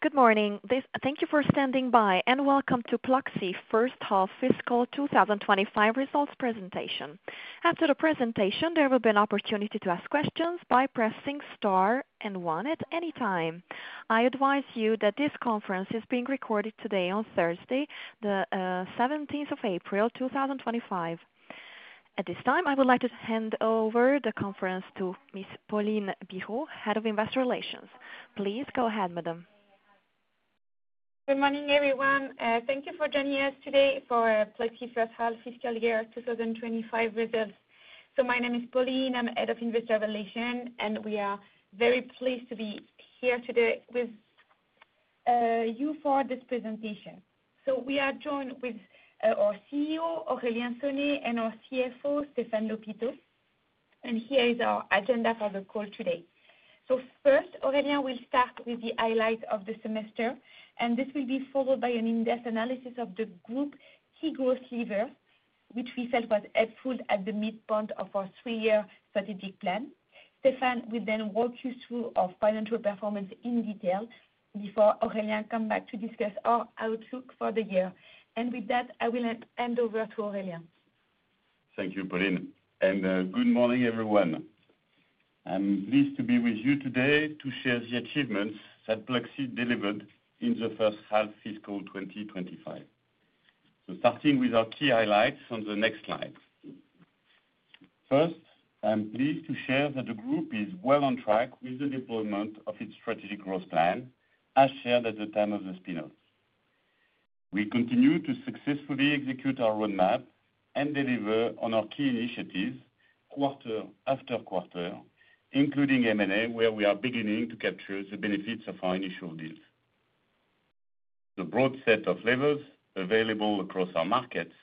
Good morning. Thank you for standing by, and welcome to Pluxee First Half Fiscal 2025 Results Presentation. After the presentation, there will be an opportunity to ask questions by pressing star and one at any time. I advise you that this conference is being recorded today on Thursday, the 17th of April 2025. At this time, I would like to hand over the conference to Ms. Pauline Bireaud, Head of Investor Relations. Please go ahead, madam. Good morning, everyone. Thank you for joining us today for Pluxee First Half Fiscal Year 2025 Results. My name is Pauline. I'm Head of Investor Relations, and we are very pleased to be here today with you for this presentation. We are joined with our CEO, Aurélien Sonet, and our CFO, Stéphane Lhopiteau. Here is our agenda for the call today. First, Aurélien will start with the highlights of the semester, and this will be followed by an in-depth analysis of the group key growth levers, which we felt was helpful at the midpoint of our three-year strategic plan. Stéphane will then walk you through our financial performance in detail before Aurélien comes back to discuss our outlook for the year. With that, I will hand over to Aurélien. Thank you, Pauline. Good morning, everyone. I'm pleased to be with you today to share the achievements that Pluxee delivered in the first half fiscal 2025. Starting with our key highlights on the next slide. First, I'm pleased to share that the group is well on track with the deployment of its strategic growth plan, as shared at the time of the spinoff. We continue to successfully execute our roadmap and deliver on our key initiatives quarter after quarter, including M&A, where we are beginning to capture the benefits of our initial deals. The broad set of levers available across our markets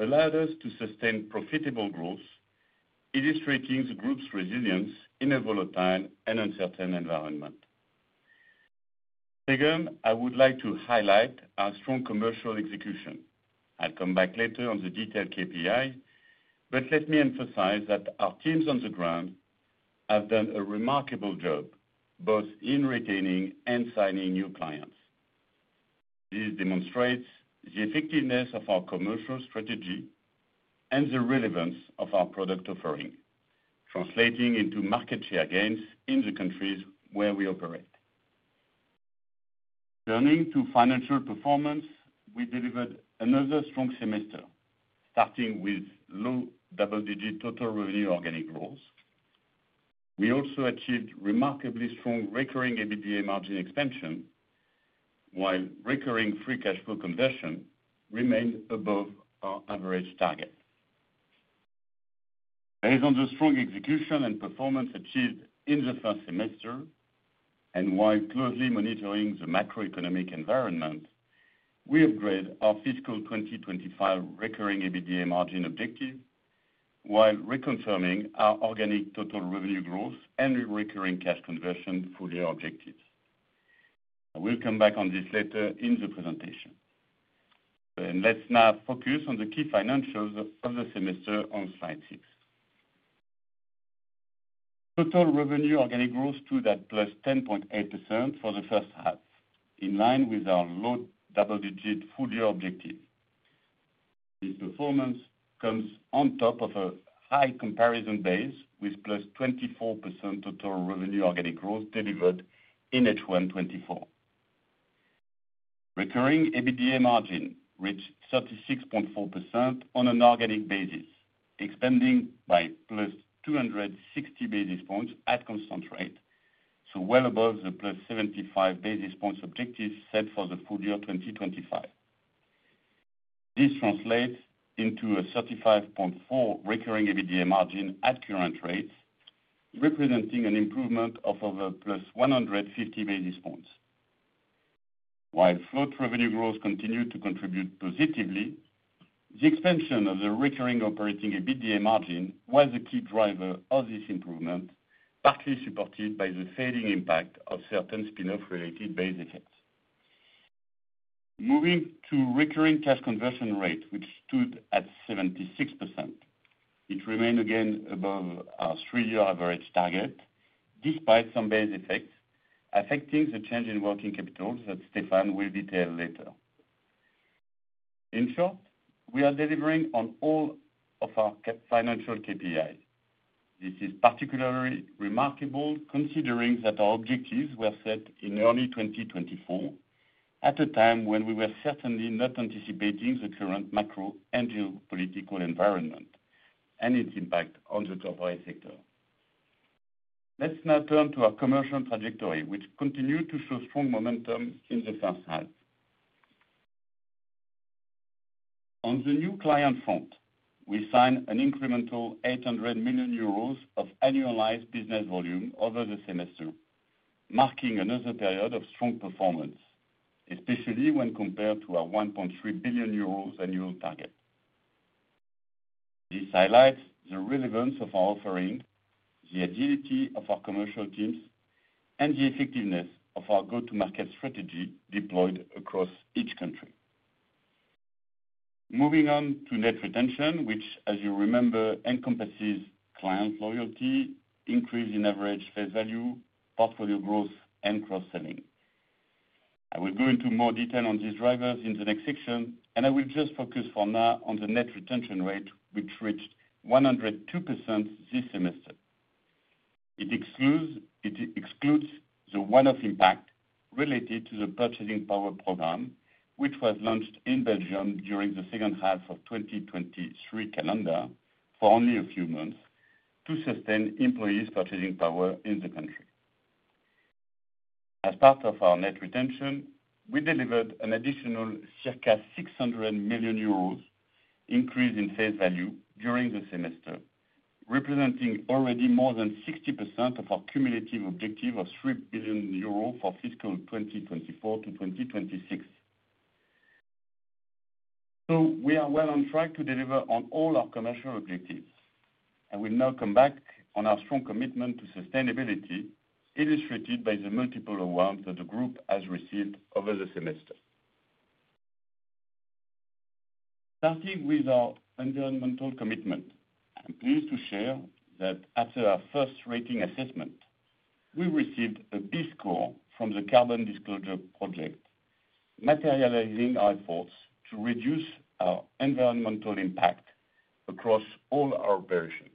allowed us to sustain profitable growth, illustrating the group's resilience in a volatile and uncertain environment. Second, I would like to highlight our strong commercial execution. I'll come back later on the detailed KPIs, but let me emphasize that our teams on the ground have done a remarkable job both in retaining and signing new clients. This demonstrates the effectiveness of our commercial strategy and the relevance of our product offering, translating into market share gains in the countries where we operate. Turning to financial performance, we delivered another strong semester, starting with low double-digit total revenue organic growth. We also achieved remarkably strong recurring EBITDA margin expansion, while recurring free cash flow conversion remained above our average target. Based on the strong execution and performance achieved in the first semester, and while closely monitoring the macroeconomic environment, we upgraded our fiscal 2025 recurring EBITDA margin objectives while reconfirming our organic total revenue growth and recurring cash conversion fully objectives. I will come back on this later in the presentation. Let's now focus on the key financials of the semester on slide six. Total revenue organic growth stood at +10.8% for the first half, in line with our low double-digit full-year objective. This performance comes on top of a high comparison base with +24% total revenue organic growth delivered in H1 2024. Recurring EBITDA margin reached 36.4% on an organic basis, expanding by +260 basis points at constant rate, so well above the +75 basis points objective set for the full year 2025. This translates into a 35.4% recurring EBITDA margin at current rates, representing an improvement of over +150 basis points. While float revenue growth continued to contribute positively, the expansion of the recurring operating EBITDA margin was a key driver of this improvement, partly supported by the fading impact of certain spinoff-related base effects. Moving to recurring cash conversion rate, which stood at 76%, it remained again above our three-year average target, despite some base effects affecting the change in working capital that Stéphane will detail later. In short, we are delivering on all of our financial KPIs. This is particularly remarkable considering that our objectives were set in early 2024, at a time when we were certainly not anticipating the current macro and geopolitical environment and its impact on the corporate sector. Let's now turn to our commercial trajectory, which continued to show strong momentum in the first half. On the new client front, we signed an incremental 800 million euros of annualized business volume over the semester, marking another period of strong performance, especially when compared to our 1.3 billion euros annual target. This highlights the relevance of our offering, the agility of our commercial teams, and the effectiveness of our go-to-market strategy deployed across each country. Moving on to net retention, which, as you remember, encompasses client loyalty, increase in average face value, portfolio growth, and cross-selling. I will go into more detail on these drivers in the next section, and I will just focus for now on the net retention rate, which reached 102% this semester. It excludes the one-off impact related to the Purchasing Power Program, which was launched in Belgium during the second half of the 2023 calendar for only a few months to sustain employees' purchasing power in the country. As part of our net retention, we delivered an additional circa 600 million euros increase in face value during the semester, representing already more than 60% of our cumulative objective of 3 billion euro for fiscal 2024 to 2026. We are well on track to deliver on all our commercial objectives. I will now come back on our strong commitment to sustainability, illustrated by the multiple awards that the group has received over the semester. Starting with our environmental commitment, I'm pleased to share that after our first rating assessment, we received a B score from the Carbon Disclosure Project, materializing our efforts to reduce our environmental impact across all our operations.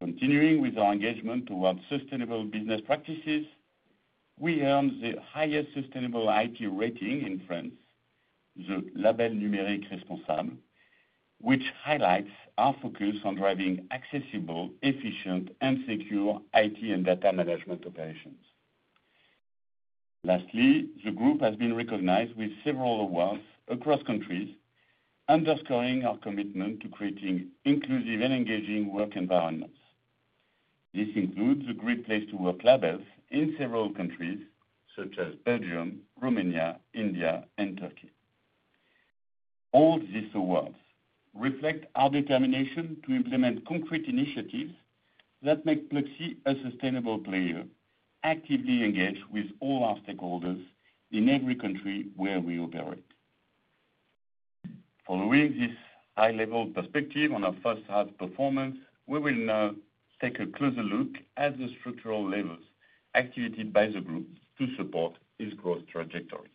Continuing with our engagement towards sustainable business practices, we earned the highest sustainable IT rating in France, the Label Numérique Responsable, which highlights our focus on driving accessible, efficient, and secure IT and data management operations. Lastly, the group has been recognized with several awards across countries, underscoring our commitment to creating inclusive and engaging work environments. This includes the Great Place to Work labels in several countries such as Belgium, Romania, India, and Turkey. All these awards reflect our determination to implement concrete initiatives that make Pluxee a sustainable player, actively engaged with all our stakeholders in every country where we operate. Following this high-level perspective on our first-half performance, we will now take a closer look at the structural levels activated by the group to support its growth trajectory.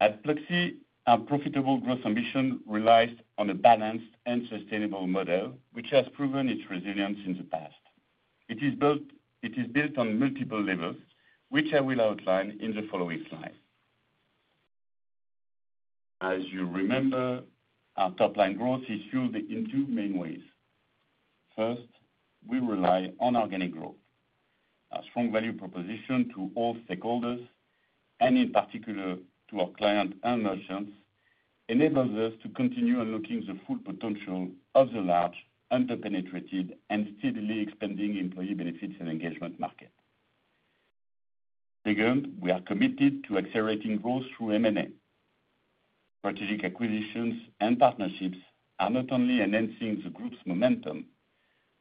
At Pluxee, our profitable growth ambition relies on a balanced and sustainable model, which has proven its resilience in the past. It is built on multiple levels, which I will outline in the following slides. As you remember, our top-line growth is fueled in two main ways. First, we rely on organic growth. Our strong value proposition to all stakeholders, and in particular to our clients and merchants, enables us to continue unlocking the full potential of the large, under-penetrated, and steadily expanding employee benefits and engagement market. Second, we are committed to accelerating growth through M&A. Strategic acquisitions and partnerships are not only enhancing the group's momentum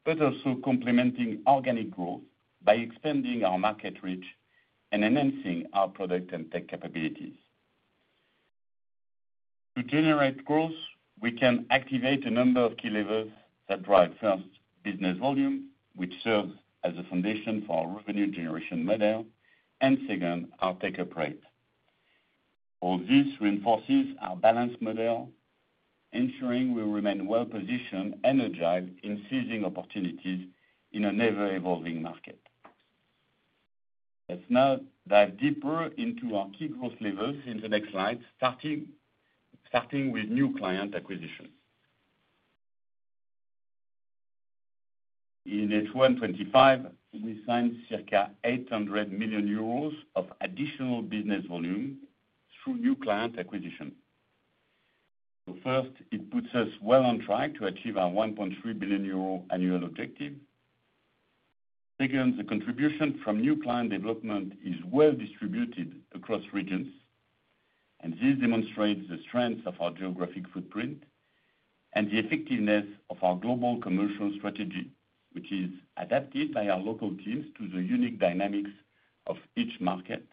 but also complementing organic growth by expanding our market reach and enhancing our product and tech capabilities. To generate growth, we can activate a number of key levers that drive first, business volume, which serves as a foundation for our revenue generation model, and second, our take-up rate. All this reinforces our balanced model, ensuring we remain well-positioned and agile in seizing opportunities in an ever-evolving market. Let's now dive deeper into our key growth levers in the next slide, starting with new client acquisitions. In H1 2025, we signed circa 800 million euros of additional business volume through new client acquisitions. It puts us well on track to achieve our 1.3 billion euro annual objective. Second, the contribution from new client development is well distributed across regions, and this demonstrates the strength of our geographic footprint and the effectiveness of our global commercial strategy, which is adapted by our local teams to the unique dynamics of each market.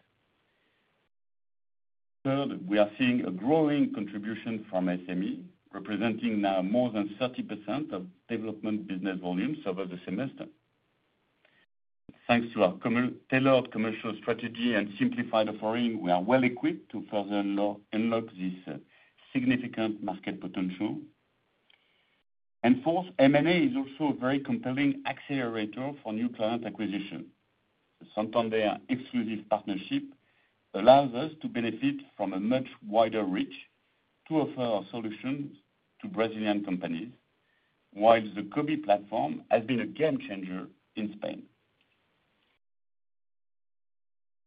Third, we are seeing a growing contribution from SME, representing now more than 30% of development business volume over the semester. Thanks to our tailored commercial strategy and simplified offering, we are well equipped to further unlock this significant market potential. Fourth, M&A is also a very compelling accelerator for new client acquisitions. The Santander exclusive partnership allows us to benefit from a much wider reach to offer our solutions to Brazilian companies, while the Cobee platform has been a game-changer in Spain.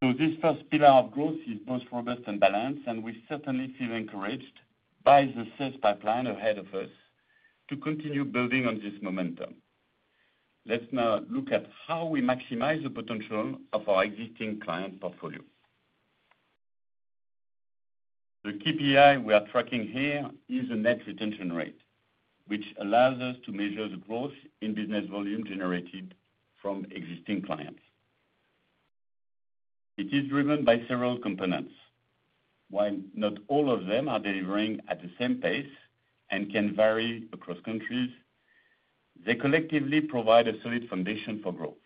This first pillar of growth is both robust and balanced, and we certainly feel encouraged by the sales pipeline ahead of us to continue building on this momentum. Let's now look at how we maximize the potential of our existing client portfolio. The KPI we are tracking here is the net retention rate, which allows us to measure the growth in business volume generated from existing clients. It is driven by several components. While not all of them are delivering at the same pace and can vary across countries, they collectively provide a solid foundation for growth.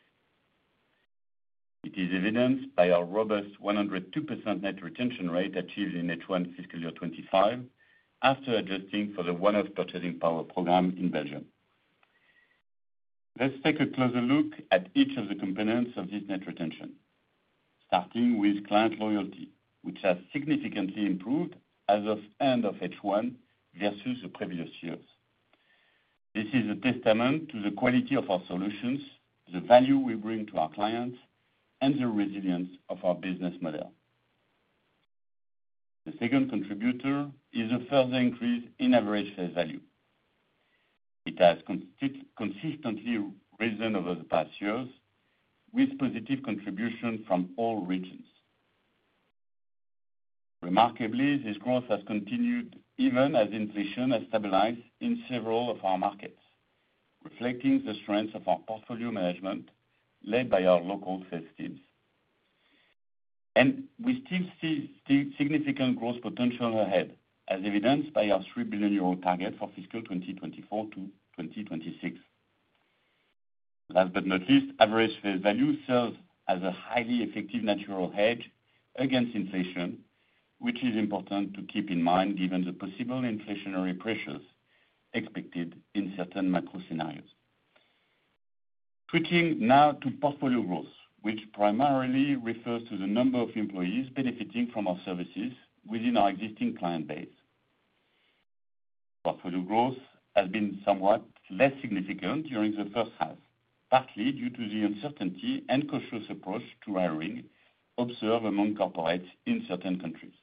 It is evidenced by our robust 102% net retention rate achieved in H1 fiscal year 2025 after adjusting for the one-off Purchasing Power Program in Belgium. Let's take a closer look at each of the components of this net retention, starting with client loyalty, which has significantly improved as of end of H1 versus the previous years. This is a testament to the quality of our solutions, the value we bring to our clients, and the resilience of our business model. The second contributor is the further increase in average face value. It has consistently risen over the past years, with positive contribution from all regions. Remarkably, this growth has continued even as inflation has stabilized in several of our markets, reflecting the strength of our portfolio management led by our local sales teams. We still see significant growth potential ahead, as evidenced by our 3 billion euro target for fiscal 2024 to 2026. Last but not least, average face value serves as a highly effective natural hedge against inflation, which is important to keep in mind given the possible inflationary pressures expected in certain macro scenarios. Switching now to portfolio growth, which primarily refers to the number of employees benefiting from our services within our existing client base. Portfolio growth has been somewhat less significant during the first half, partly due to the uncertainty and cautious approach to hiring observed among corporates in certain countries.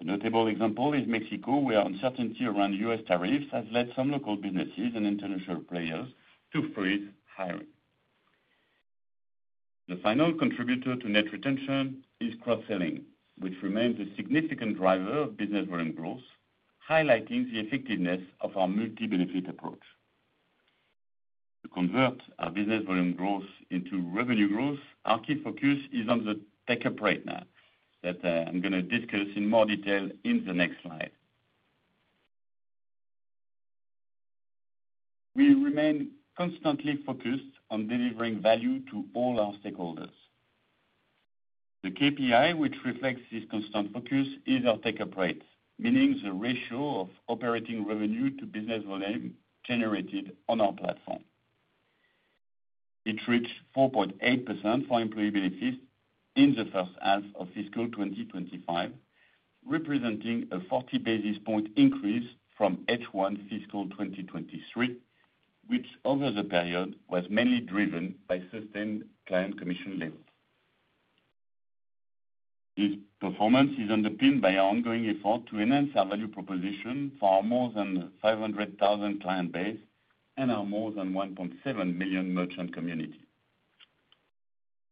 A notable example is Mexico, where uncertainty around U.S. tariffs has led some local businesses and international players to freeze hiring. The final contributor to net retention is cross-selling, which remains a significant driver of business volume growth, highlighting the effectiveness of our multi-benefit approach. To convert our business volume growth into revenue growth, our key focus is on the take-up rate now that I'm going to discuss in more detail in the next slide. We remain constantly focused on delivering value to all our stakeholders. The KPI which reflects this constant focus is our take-up rate, meaning the ratio of operating revenue to business volume generated on our platform. It reached 4.8% for employee benefits in the first half of fiscal 2025, representing a 40 basis point increase from H1 fiscal 2023, which over the period was mainly driven by sustained client commission levels. This performance is underpinned by our ongoing effort to enhance our value proposition for our more than 500,000 client base and our more than 1.7 million merchant community.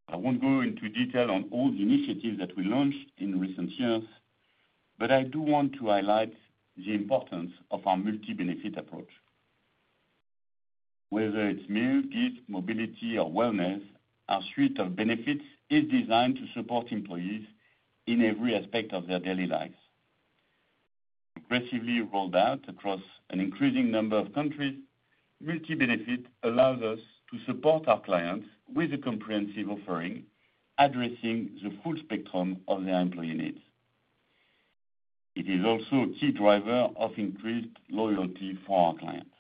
I won't go into detail on all the initiatives that we launched in recent years, but I do want to highlight the importance of our multi-benefit approach. Whether it's meal, gift, mobility, or wellness, our suite of benefits is designed to support employees in every aspect of their daily lives. Aggressively rolled out across an increasing number of countries, multi-benefit allows us to support our clients with a comprehensive offering addressing the full spectrum of their employee needs. It is also a key driver of increased loyalty for our clients.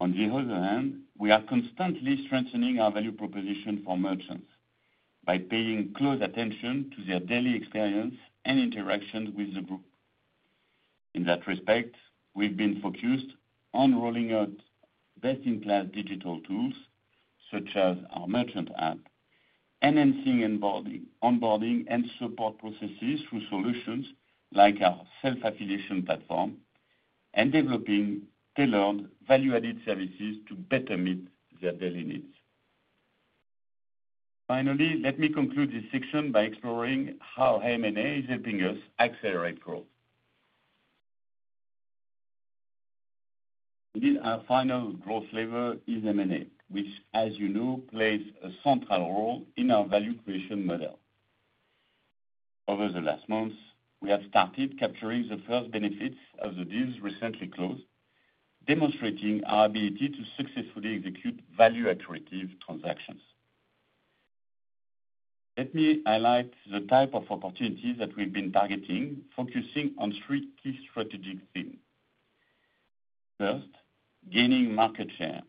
On the other hand, we are constantly strengthening our value proposition for merchants by paying close attention to their daily experience and interactions with the group. In that respect, we've been focused on rolling out best-in-class digital tools such as our merchant app, enhancing onboarding and support processes through solutions like our self-affiliation platform, and developing tailored value-added services to better meet their daily needs. Finally, let me conclude this section by exploring how M&A is helping us accelerate growth. Indeed, our final growth lever is M&A, which, as you know, plays a central role in our value creation model. Over the last months, we have started capturing the first benefits of the deals recently closed, demonstrating our ability to successfully execute value-accurate transactions. Let me highlight the type of opportunities that we've been targeting, focusing on three key strategic themes. First, gaining market share.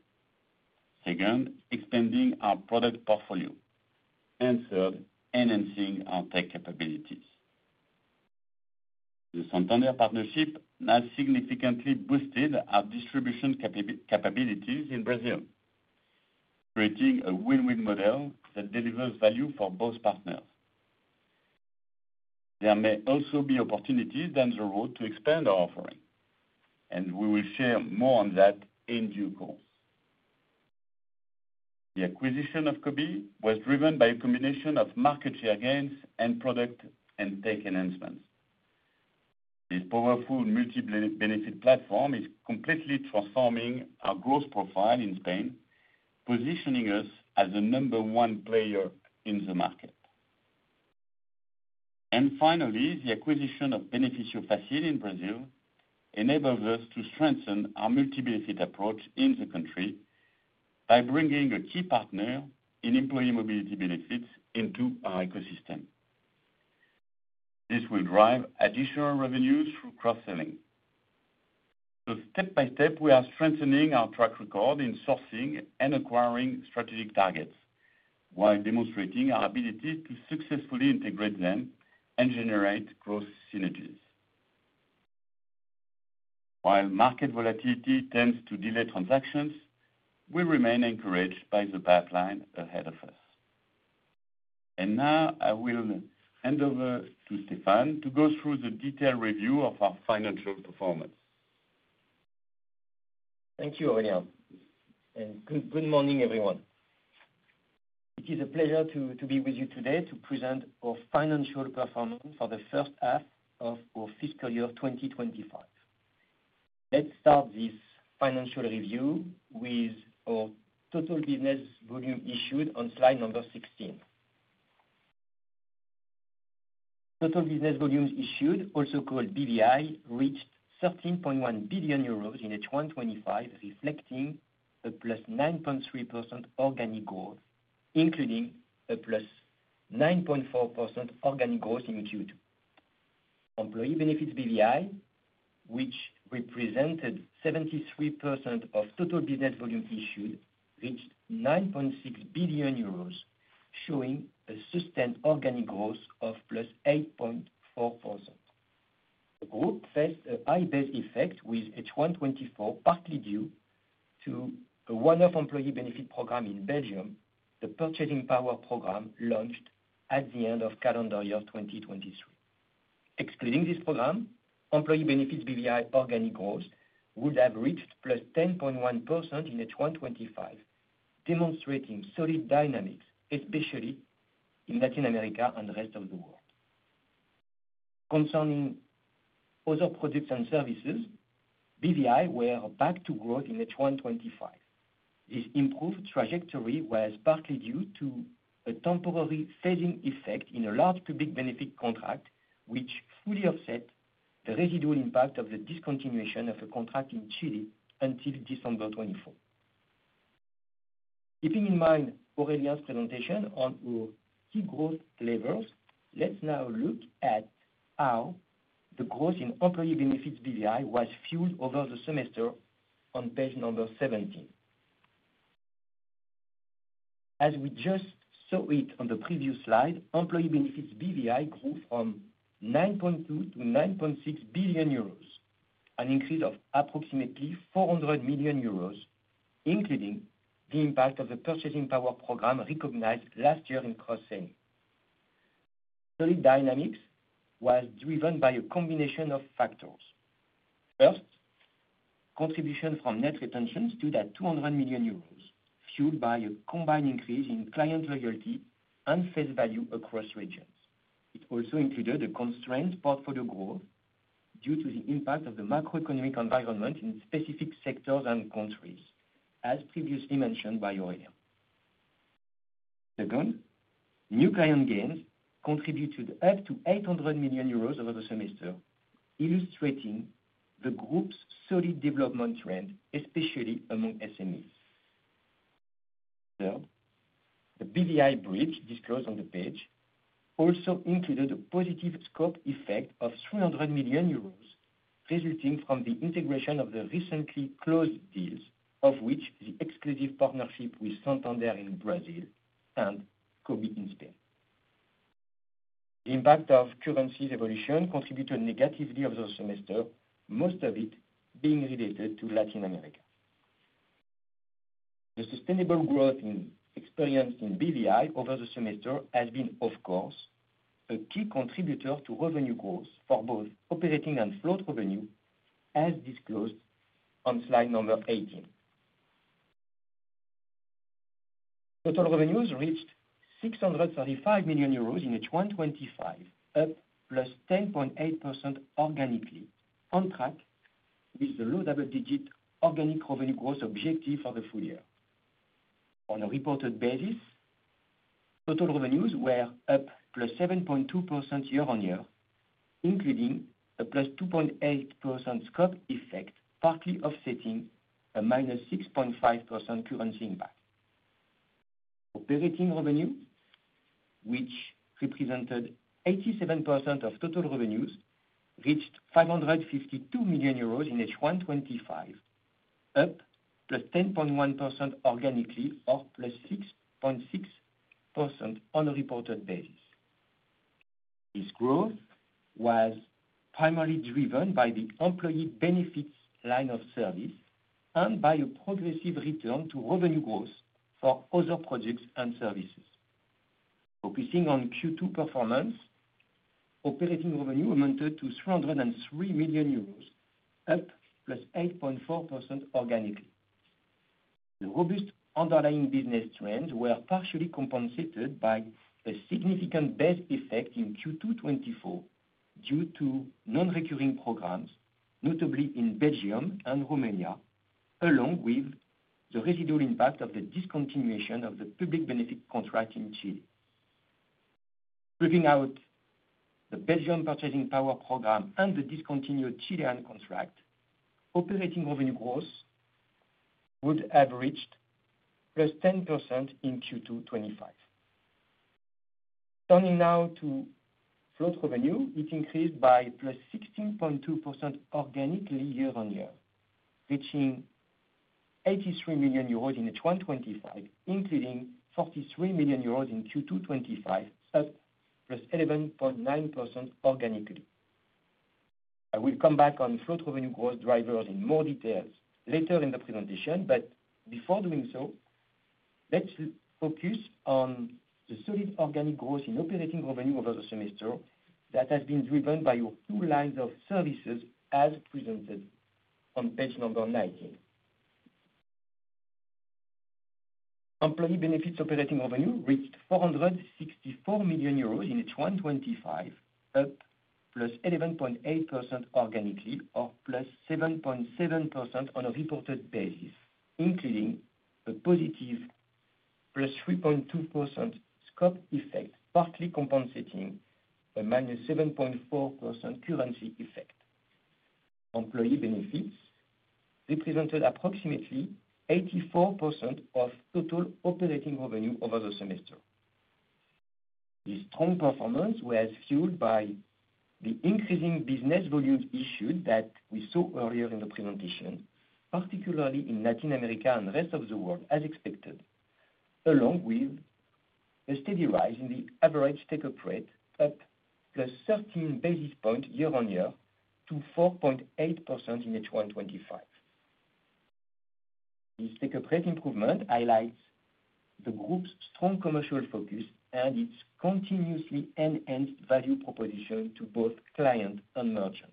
Second, expanding our product portfolio. Third, enhancing our tech capabilities. The Santander partnership has significantly boosted our distribution capabilities in Brazil, creating a win-win model that delivers value for both partners. There may also be opportunities down the road to expand our offering, and we will share more on that in due course. The acquisition of Cobee was driven by a combination of market share gains and product and tech enhancements. This powerful multi-benefit platform is completely transforming our growth profile in Spain, positioning us as the number one player in the market. Finally, the acquisition of Benefício Fácil in Brazil enables us to strengthen our multi-benefit approach in the country by bringing a key partner in employee mobility benefits into our ecosystem. This will drive additional revenue through cross-selling. Step by step, we are strengthening our track record in sourcing and acquiring strategic targets, while demonstrating our ability to successfully integrate them and generate growth synergies. While market volatility tends to delay transactions, we remain encouraged by the pipeline ahead of us. I will now hand over to Stéphane to go through the detailed review of our financial performance. Thank you, Aurélien. Good morning, everyone. It is a pleasure to be with you today to present our financial performance for the first half of our fiscal year 2025. Let's start this financial review with our total business volume issued on slide number 16. Total business volumes issued, also called BVI, reached 13.1 billion euros in H1 2025, reflecting a +9.3% organic growth, including a +9.4% organic growth in Q2. Employee Benefits BVI, which represented 73% of total business volume issued, reached 9.6 billion euros, showing a sustained organic growth of +8.4%. The group faced a high base effect with H1 2024, partly due to a one-off employee benefit program in Belgium, the Purchasing Power Program launched at the end of calendar year 2023. Excluding this program, employee benefits BVI organic growth would have reached +10.1% in H1 2025, demonstrating solid dynamics, especially in Latin America and the rest of the world. Concerning other products and services, BVI were back to growth in H1 2025. This improved trajectory was partly due to a temporary phasing effect in a large public benefit contract, which fully offset the residual impact of the discontinuation of a contract in Chile until December 24. Keeping in mind Aurélien's presentation on our key growth levers, let's now look at how the growth in employee benefits BVI was fueled over the semester on page number 17. As we just saw it on the previous slide, employee benefits BVI grew from 9.2 billion to 9.6 billion euros, an increase of approximately 400 million euros, including the impact of the Purchasing Power Program recognized last year in cross-selling. Solid dynamics was driven by a combination of factors. First, contribution from net retention stood at 200 million euros, fueled by a combined increase in client loyalty and face value across regions. It also included a constrained portfolio growth due to the impact of the macroeconomic environment in specific sectors and countries, as previously mentioned by Aurélien. Second, new client gains contributed up to 800 million euros over the semester, illustrating the group's solid development trend, especially among SMEs. Third, the BVI bridge disclosed on the page also included a positive scope effect of 300 million euros resulting from the integration of the recently closed deals, of which the exclusive partnership with Santander in Brazil and Cobee in Spain. The impact of currencies evolution contributed negatively over the semester, most of it being related to Latin America. The sustainable growth experienced in BVI over the semester has been, of course, a key contributor to revenue growth for both operating and float revenue, as disclosed on slide number 18. Total revenues reached 635 million euros in H1 2025, up plus 10.8% organically, on track with the low double-digit organic revenue growth objective for the full year. On a reported basis, total revenues were up plus 7.2% year-on-year, including a plus 2.8% scope effect, partly offsetting a minus 6.5% currency impact. Operating revenue, which represented 87% of total revenues, reached 552 million euros in H1 2025, up +10.1% organically, or +6.6% on a reported basis. This growth was primarily driven by the Employee Benefits line of service and by a progressive return to revenue growth for other products and services. Focusing on Q2 performance, operating revenue amounted to 303 million euros, up +8.4% organically. The robust underlying business trends were partially compensated by a significant base effect in Q2 2024 due to non-recurring programs, notably in Belgium and Romania, along with the residual impact of the discontinuation of the public benefit contract in Chile. Flipping out the Belgium Purchasing Power Program and the discontinued Chilean contract, operating revenue growth would have reached +10% in Q2 2025. Turning now to float revenue, it increased by +16.2% organically year-on-year, reaching 83 million euros in H1 2025, including 43 million euros in Q2 2025, up +11.9% organically. I will come back on float revenue growth drivers in more detail later in the presentation, but before doing so, let's focus on the solid organic growth in operating revenue over the semester that has been driven by your two lines of services as presented on page number 19. Employee Benefits operating revenue reached 464 million euros in H1 2025, up +11.8% organically, or +7.7% on a reported basis, including a positive +3.2% scope effect, partly compensating a -7.4% currency effect. Employee Benefits represented approximately 84% of total operating revenue over the semester. This strong performance was fueled by the increasing business volumes issued that we saw earlier in the presentation, particularly in Latin America and the rest of the world, as expected, along with a steady rise in the average take-up rate, up plus 13 basis points year-on-year, to 4.8% in H1 2025. This take-up rate improvement highlights the group's strong commercial focus and its continuously enhanced value proposition to both clients and merchants.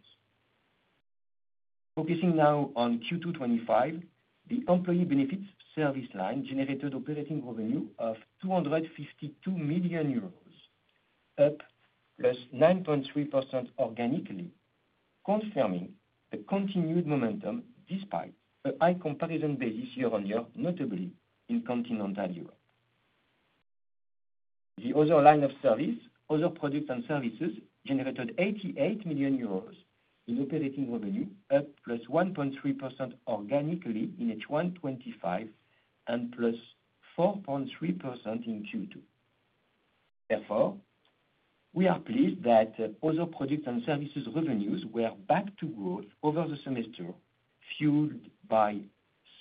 Focusing now on Q2 2025, the Employee Benefits service line generated operating revenue of 252 million euros, up +9.3% organically, confirming the continued momentum despite a high comparison basis year-on-year, notably in Continental Europe. The other line of service, other products and services, generated 88 million euros in operating revenue, up +1.3% organically in H1 2025 and +4.3% in Q2. Therefore, we are pleased that other products and services revenues were back to growth over the semester, fueled by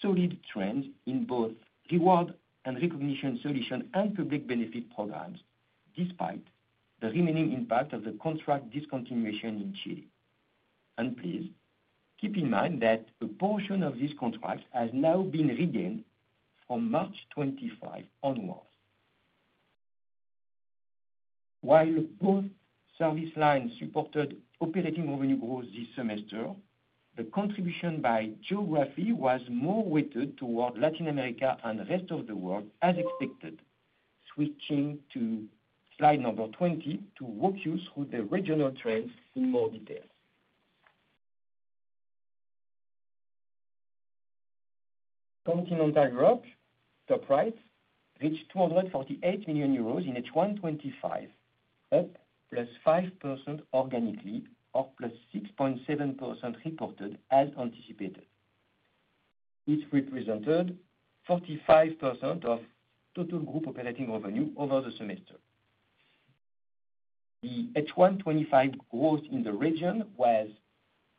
solid trends in both reward and recognition solution and public benefit programs, despite the remaining impact of the contract discontinuation in Chile. Please keep in mind that a portion of this contract has now been regained from March 25 onwards. While both service lines supported operating revenue growth this semester, the contribution by geography was more weighted toward Latin America and the rest of the world, as expected. Switching to slide number 20 to walk you through the regional trends in more detail. Continental Europe, top right, reached 248 million euros in H1 2025, up +5% organically, or +6.7% reported as anticipated. It represented 45% of total group operating revenue over the semester. The H1 2025 growth in the region was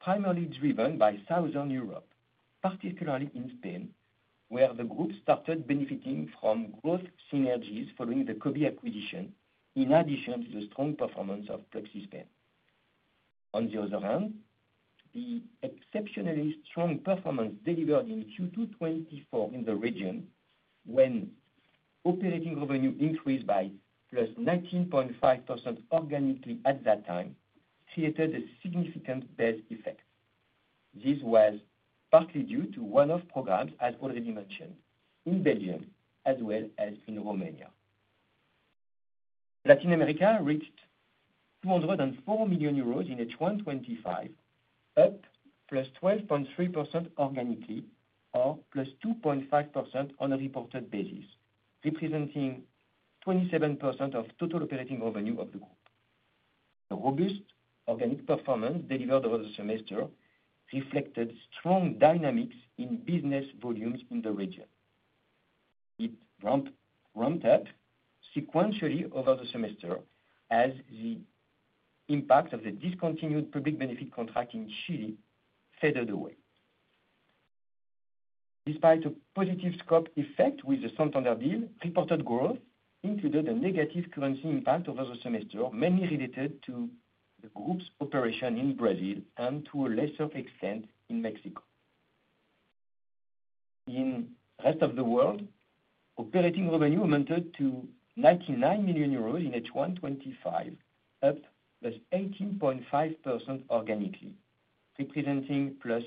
primarily driven by Southern Europe, particularly in Spain, where the group started benefiting from growth synergies following the Cobee acquisition, in addition to the strong performance of Pluxee Spain. On the other hand, the exceptionally strong performance delivered in Q2 2024 in the region, when operating revenue increased by +19.5% organically at that time, created a significant base effect. This was partly due to one-off programs, as already mentioned, in Belgium as well as in Romania. Latin America reached 204 million euros in H1 2025, up +12.3% organically, or +2.5% on a reported basis, representing 27% of total operating revenue of the group. The robust organic performance delivered over the semester reflected strong dynamics in business volumes in the region. It ramped up sequentially over the semester as the impact of the discontinued public benefit contract in Chile faded away. Despite a positive scope effect with the Santander deal, reported growth included a negative currency impact over the semester, mainly related to the group's operation in Brazil and to a lesser extent in Mexico. In the rest of the world, operating revenue amounted to 99 million euros in H1 2025, up plus 18.5% organically, representing plus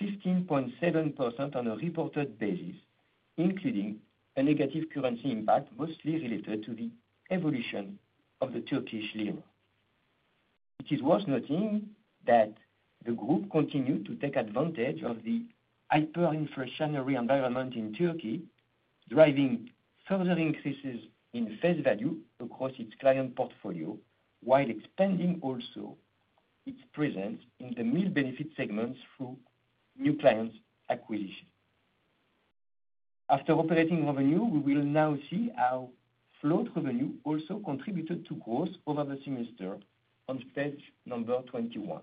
15.7% on a reported basis, including a negative currency impact mostly related to the evolution of the Turkish lira. It is worth noting that the group continued to take advantage of the hyperinflationary environment in Turkey, driving further increases in face value across its client portfolio, while expanding also its presence in the meal benefit segments through new clients' acquisition. After operating revenue, we will now see how float revenue also contributed to growth over the semester on page number 21.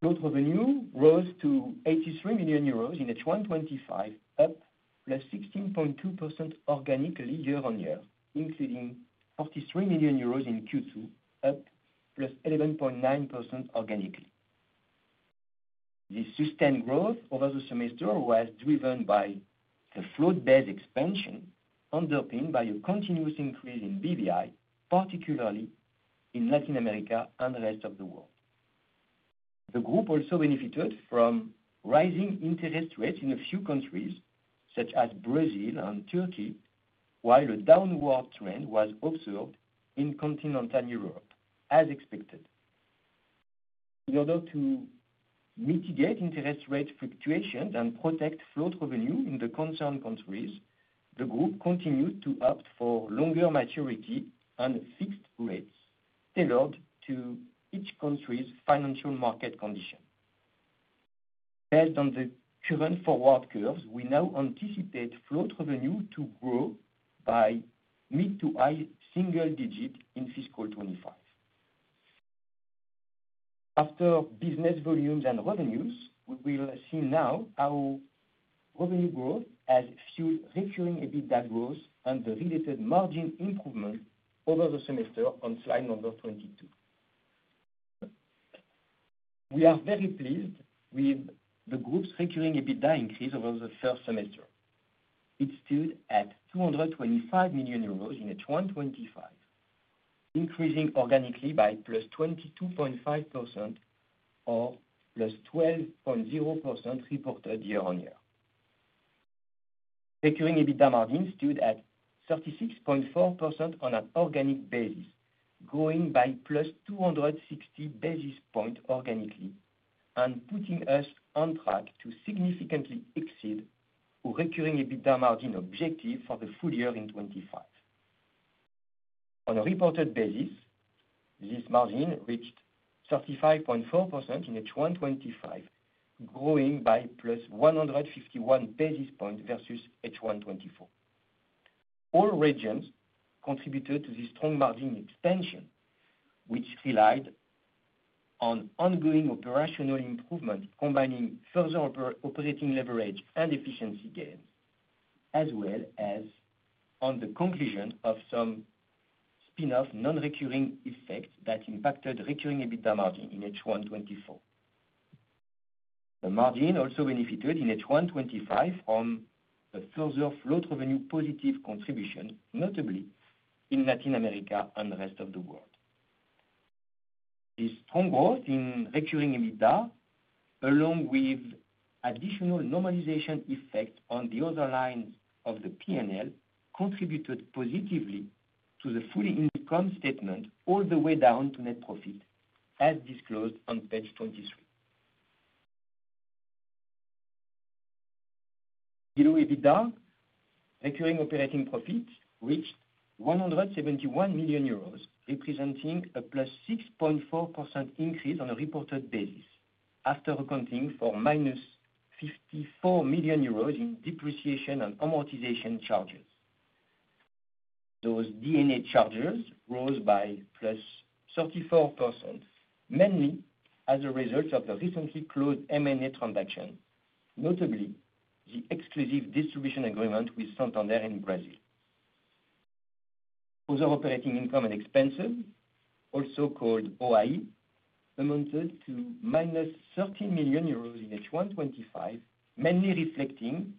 Float revenue rose to 83 million euros in H1 2025, up +16.2% organically year-on-year, including 43 million euros in Q2, up +11.9% organically. This sustained growth over the semester was driven by the float base expansion underpinned by a continuous increase in BVI, particularly in Latin America and the rest of the world. The group also benefited from rising interest rates in a few countries, such as Brazil and Turkey, while a downward trend was observed in Continental Europe, as expected. In order to mitigate interest rate fluctuations and protect float revenue in the concerned countries, the group continued to opt for longer maturity and fixed rates tailored to each country's financial market condition. Based on the current forward curves, we now anticipate float revenue to grow by mid to high single digit in fiscal 2025. After business volumes and revenues, we will see now how revenue growth has fueled recurring EBITDA growth and the related margin improvement over the semester on slide number 22. We are very pleased with the group's recurring EBITDA increase over the first semester. It stood at 225 million euros in H1 2025, increasing organically by +22.5% or +12.0% reported year-on-year. Recurring EBITDA margin stood at 36.4% on an organic basis, growing by +260 basis points organically and putting us on track to significantly exceed our recurring EBITDA margin objective for the full year in 2025. On a reported basis, this margin reached 35.4% in H1 2025, growing by +151 basis points versus H124. All regions contributed to the strong margin expansion, which relied on ongoing operational improvement, combining further operating leverage and efficiency gains, as well as on the conclusion of some spin-off non-recurring effects that impacted recurring EBITDA margin in H1 2024. The margin also benefited in H1 2025 from the further float revenue positive contribution, notably in Latin America and the rest of the world. This strong growth in recurring EBITDA, along with additional normalization effects on the other lines of the P&L, contributed positively to the full income statement all the way down to net profit, as disclosed on page 23. Below EBITDA, recurring operating profit reached 171 million euros, representing a plus 6.4% increase on a reported basis, after accounting for minus 54 million euros in depreciation and amortization charges. Those D&A charges rose by +34%, mainly as a result of the recently closed M&A transaction, notably the exclusive distribution agreement with Santander in Brazil. Other operating income and expenses, also called OI, amounted to -13 million euros in H1 2025, mainly reflecting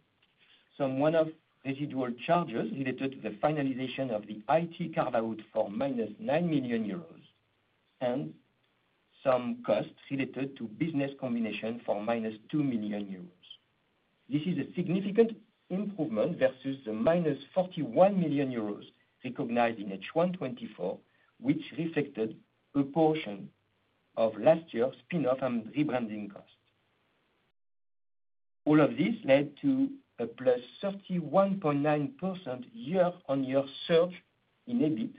some one-off residual charges related to the finalization of the IT carve-out for -9 million euros and some costs related to business combination for -2 million euros. This is a significant improvement versus the -41 million euros recognized in H1 2024, which reflected a portion of last year's spin-off and rebranding costs. All of this led to a +31.9% year-on-year surge in EBIT,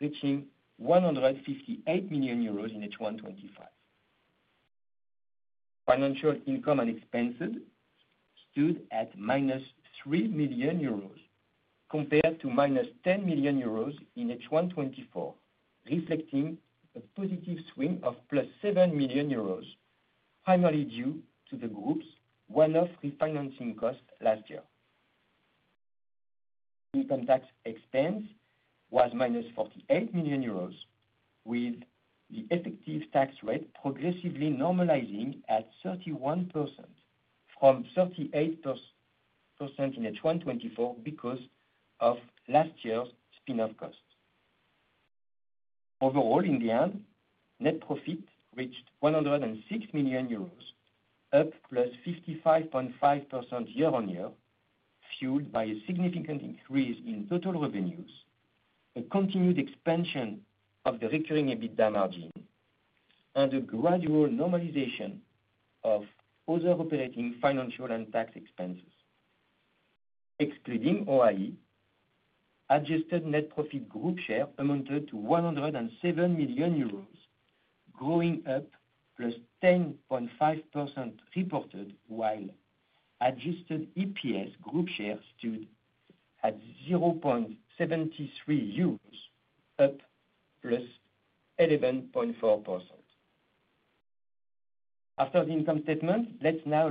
reaching 158 million euros in H1 2025. Financial income and expenses stood at -3 million euros compared to -10 million euros in H1 2024, reflecting a positive swing of +7 million euros, primarily due to the group's one-off refinancing cost last year. Income tax expense was minus 48 million euros, with the effective tax rate progressively normalizing at 31% from 38% in H1 2024 because of last year's spin-off costs. Overall, in the end, net profit reached 106 million euros, up plus 55.5% year-on-year, fueled by a significant increase in total revenues, a continued expansion of the recurring EBITDA margin, and a gradual normalization of other operating financial and tax expenses. Excluding OIE, adjusted net profit group share amounted to 107 million euros, growing up plus 10.5% reported, while Adjusted EPS group share stood at 0.73 euros, up plus 11.4%. After the income statement, let's now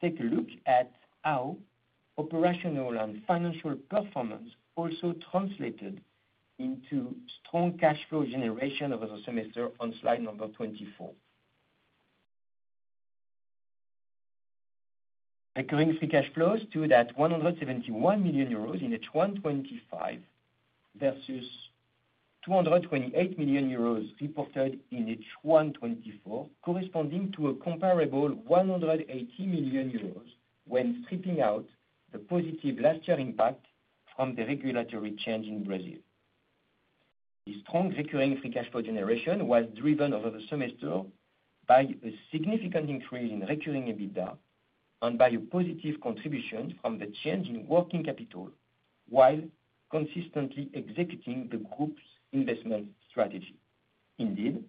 take a look at how operational and financial performance also translated into strong cash flow generation over the semester on slide number 24. Recurring free cash flows stood at 171 million euros in H1 2025 versus 228 million euros reported in H1 2024, corresponding to a comparable 180 million euros when stripping out the positive last-year impact from the regulatory change in Brazil. The strong recurring free cash flow generation was driven over the semester by a significant increase in recurring EBITDA and by a positive contribution from the change in working capital, while consistently executing the group's investment strategy. Indeed,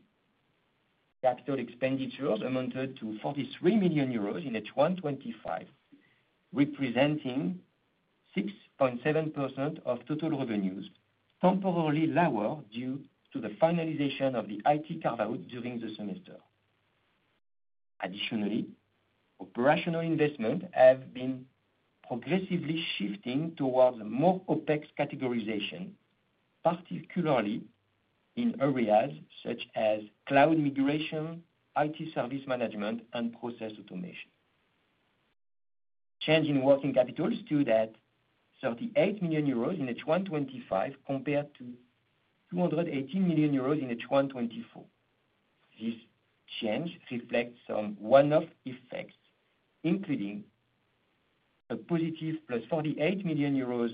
capital expenditures amounted to 43 million euros in H1 2025, representing 6.7% of total revenues, temporarily lower due to the finalization of the IT carve-out during the semester. Additionally, operational investments have been progressively shifting towards a more opaque categorization, particularly in areas such as cloud migration, IT service management, and process automation. Change in working capital stood at 38 million euros in H1 2025 compared to 218 million euros in H1 2024. This change reflects some one-off effects, including a positive plus 48 million euros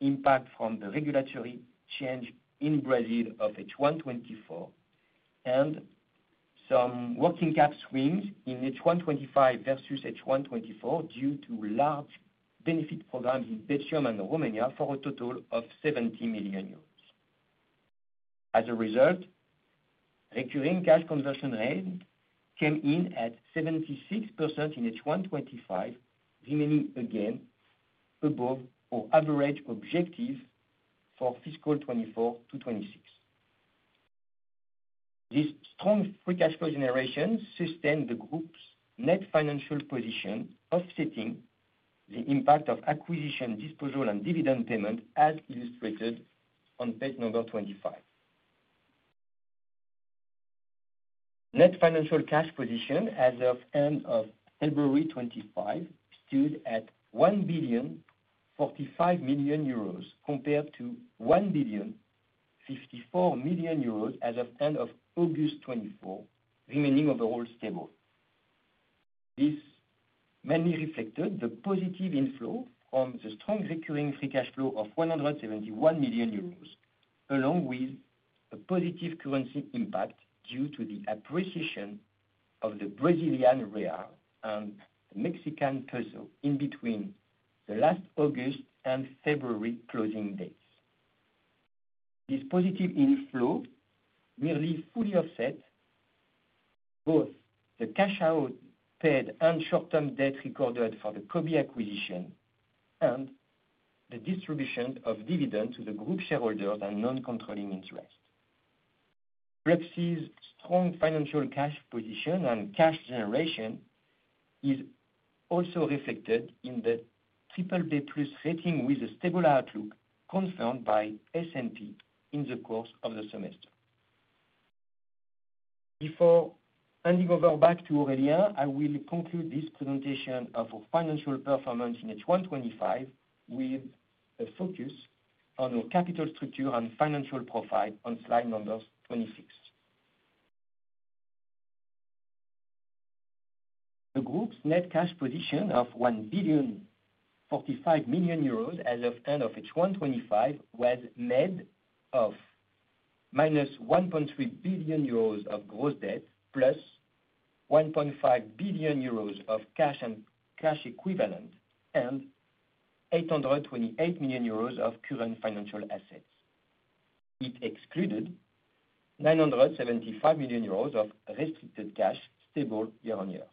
impact from the regulatory change in Brazil of H1 2024 and some working cap swings in H1 2025 versus H1 2024 due to large benefit programs in Belgium and Romania for a total of 70 million euros. As a result, recurring cash conversion rate came in at 76% in H1 2025, remaining again above our average objective for fiscal 2024 to 2026. This strong free cash flow generation sustained the group's net financial position, offsetting the impact of acquisition, disposal, and dividend payment, as illustrated on page number 25. Net financial cash position as of end of February 2025 stood at 1,045 million euros compared to 1,054 million euros as of end of August 2024, remaining overall stable. This mainly reflected the positive inflow from the strong recurring free cash flow of 171 million euros, along with a positive currency impact due to the appreciation of the Brazilian real and the Mexican peso in between the last August and February closing dates. This positive inflow nearly fully offset both the cash-out paid and short-term debt recorded for the Cobee acquisition and the distribution of dividends to the group shareholders and non-controlling interest. Pluxee's strong financial cash position and cash generation is also reflected in the BBB+ rating with a stable outlook confirmed by S&P in the course of the semester. Before handing over back to Aurélien, I will conclude this presentation of our financial performance in H1 2025 with a focus on our capital structure and financial profile on slide number 26. The group's net cash position of 1,045 million euros as of end of H1 2025 was made of minus 1.3 billion euros of gross debt, plus 1.5 billion euros of cash and cash equivalent, and 828 million euros of current financial assets. It excluded 975 million euros of restricted cash, stable year-on-year.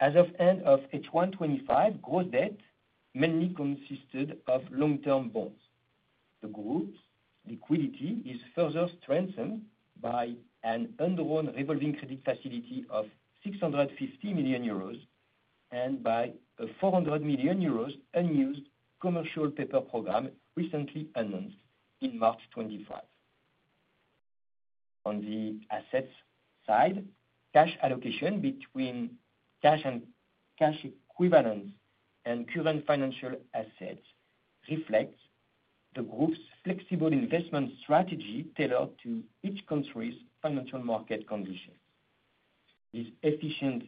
As of end of H1 2025, gross debt mainly consisted of long-term bonds. The group's liquidity is further strengthened by an undrawn revolving credit facility of 650 million euros and by a 400 million euros unused commercial paper program recently announced in March 2025. On the assets side, cash allocation between cash and cash equivalents and current financial assets reflects the group's flexible investment strategy tailored to each country's financial market conditions. This efficient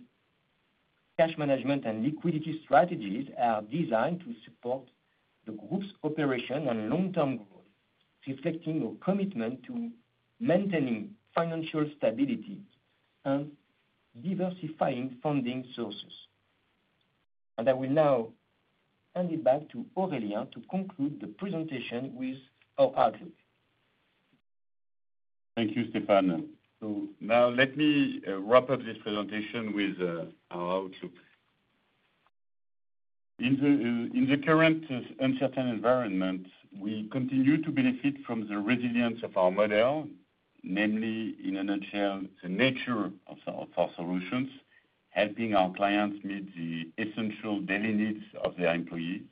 cash management and liquidity strategies are designed to support the group's operation and long-term growth, reflecting our commitment to maintaining financial stability and diversifying funding sources. I will now hand it back to Aurélien to conclude the presentation with our outlook. Thank you, Stéphane. Let me wrap up this presentation with our outlook. In the current uncertain environment, we continue to benefit from the resilience of our model, namely in a nutshell, the nature of our solutions, helping our clients meet the essential daily needs of their employees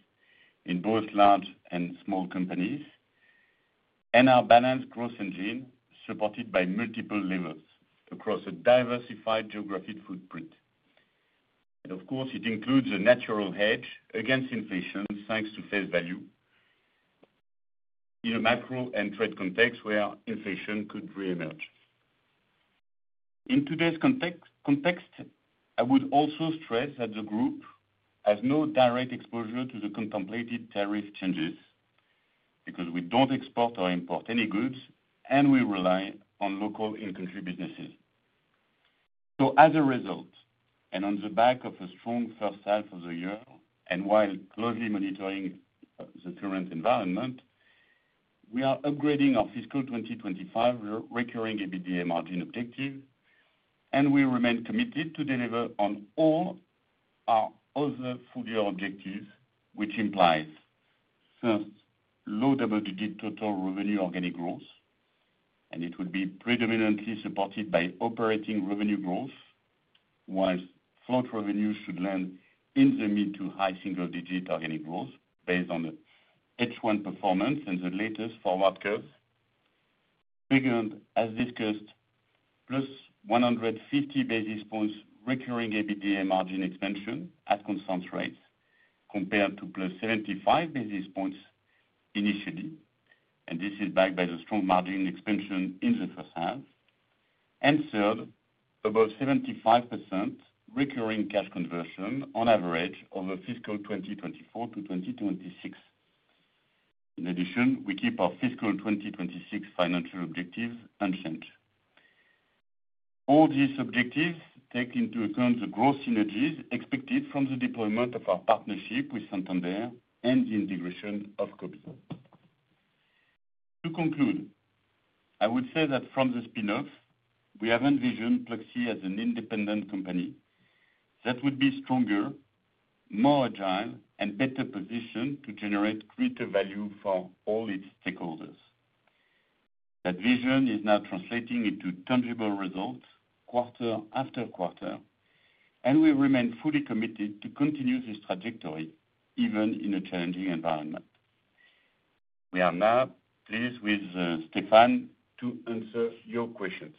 in both large and small companies, and our balanced growth engine supported by multiple levers across a diversified geographic footprint. It includes a natural hedge against inflation thanks to face value in a macro and trade context where inflation could reemerge. In today's context, I would also stress that the group has no direct exposure to the contemplated tariff changes because we do not export or import any goods, and we rely on local in-country businesses. As a result, and on the back of a strong first half of the year, and while closely monitoring the current environment, we are upgrading our fiscal 2025 recurring EBITDA margin objective, and we remain committed to deliver on all our other full-year objectives, which implies first, low double-digit total revenue organic growth, and it will be predominantly supported by operating revenue growth, while float revenue should land in the mid to high single-digit organic growth based on the H1 performance and the latest forward curve, triggered, as discussed, plus 150 basis points recurring EBITDA margin expansion at constant rates compared to plus 75 basis points initially, and this is backed by the strong margin expansion in the first half. Third, above 75% recurring cash conversion on average over fiscal 2024 to 2026. In addition, we keep our fiscal 2026 financial objectives unchanged. All these objectives take into account the growth synergies expected from the deployment of our partnership with Santander and the integration of Cobee. To conclude, I would say that from the spin-off, we have envisioned Pluxee as an independent company that would be stronger, more agile, and better positioned to generate creative value for all its stakeholders. That vision is now translating into tangible results quarter after quarter, and we remain fully committed to continue this trajectory even in a challenging environment. We are now pleased with Stéphane to answer your questions.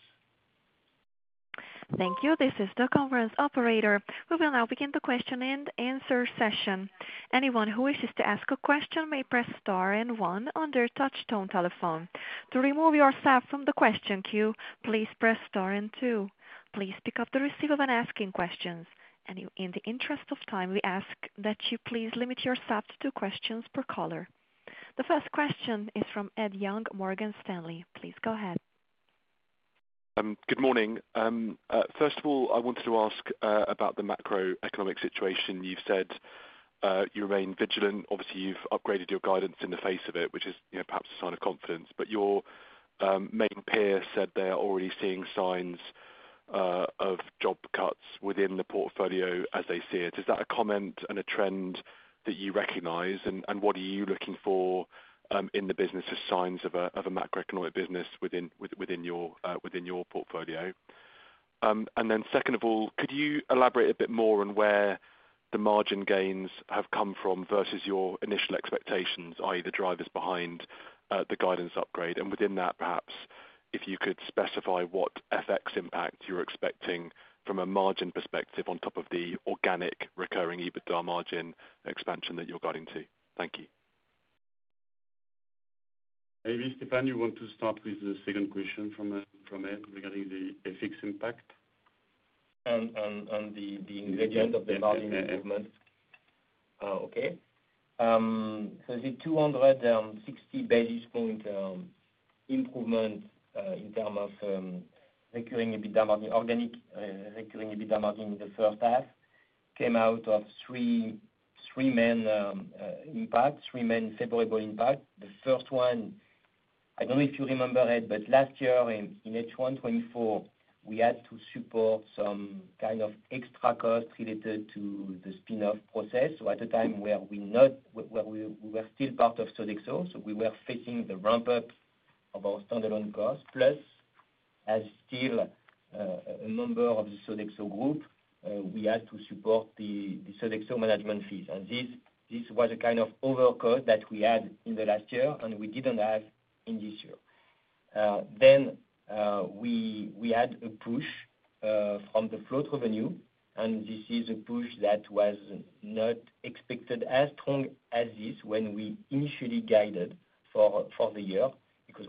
Thank you. This is the conference operator. We will now begin the question and answer session. Anyone who wishes to ask a question may press star and one on their touch-tone telephone. To remove yourself from the question queue, please press star and two. Please pick up the receiver when asking questions. In the interest of time, we ask that you please limit yourself to two questions per caller. The first question is from Ed Young, Morgan Stanley. Please go ahead. Good morning. First of all, I wanted to ask about the macroeconomic situation. You've said you remain vigilant. Obviously, you've upgraded your guidance in the face of it, which is perhaps a sign of confidence. Your main peer said they are already seeing signs of job cuts within the portfolio as they see it. Is that a comment and a trend that you recognize? What are you looking for in the business as signs of a macroeconomic business within your portfolio? Second of all, could you elaborate a bit more on where the margin gains have come from versus your initial expectations, i.e., the drivers behind the guidance upgrade? Within that, perhaps, if you could specify what effects impact you're expecting from a margin perspective on top of the organic recurring EBITDA margin expansion that you're guiding to. Thank you. Maybe Stéphane, you want to start with the second question from Ed regarding the effects impact? On the ingredient of the margin improvement. Okay. The 260 basis point improvement in terms of recurring EBITDA margin, organic recurring EBITDA margin in the first half came out of three main impacts, three main favorable impacts. The first one, I don't know if you remember it, but last year in H1 2024, we had to support some kind of extra cost related to the spin-off process. At the time where we were still part of Sodexo, we were facing the ramp-up of our standalone cost. Plus, as still a member of the Sodexo group, we had to support the Sodexo management fees. This was a kind of overcost that we had in the last year, and we did not have in this year. We had a push from the float revenue, and this is a push that was not expected as strong as this when we initially guided for the year.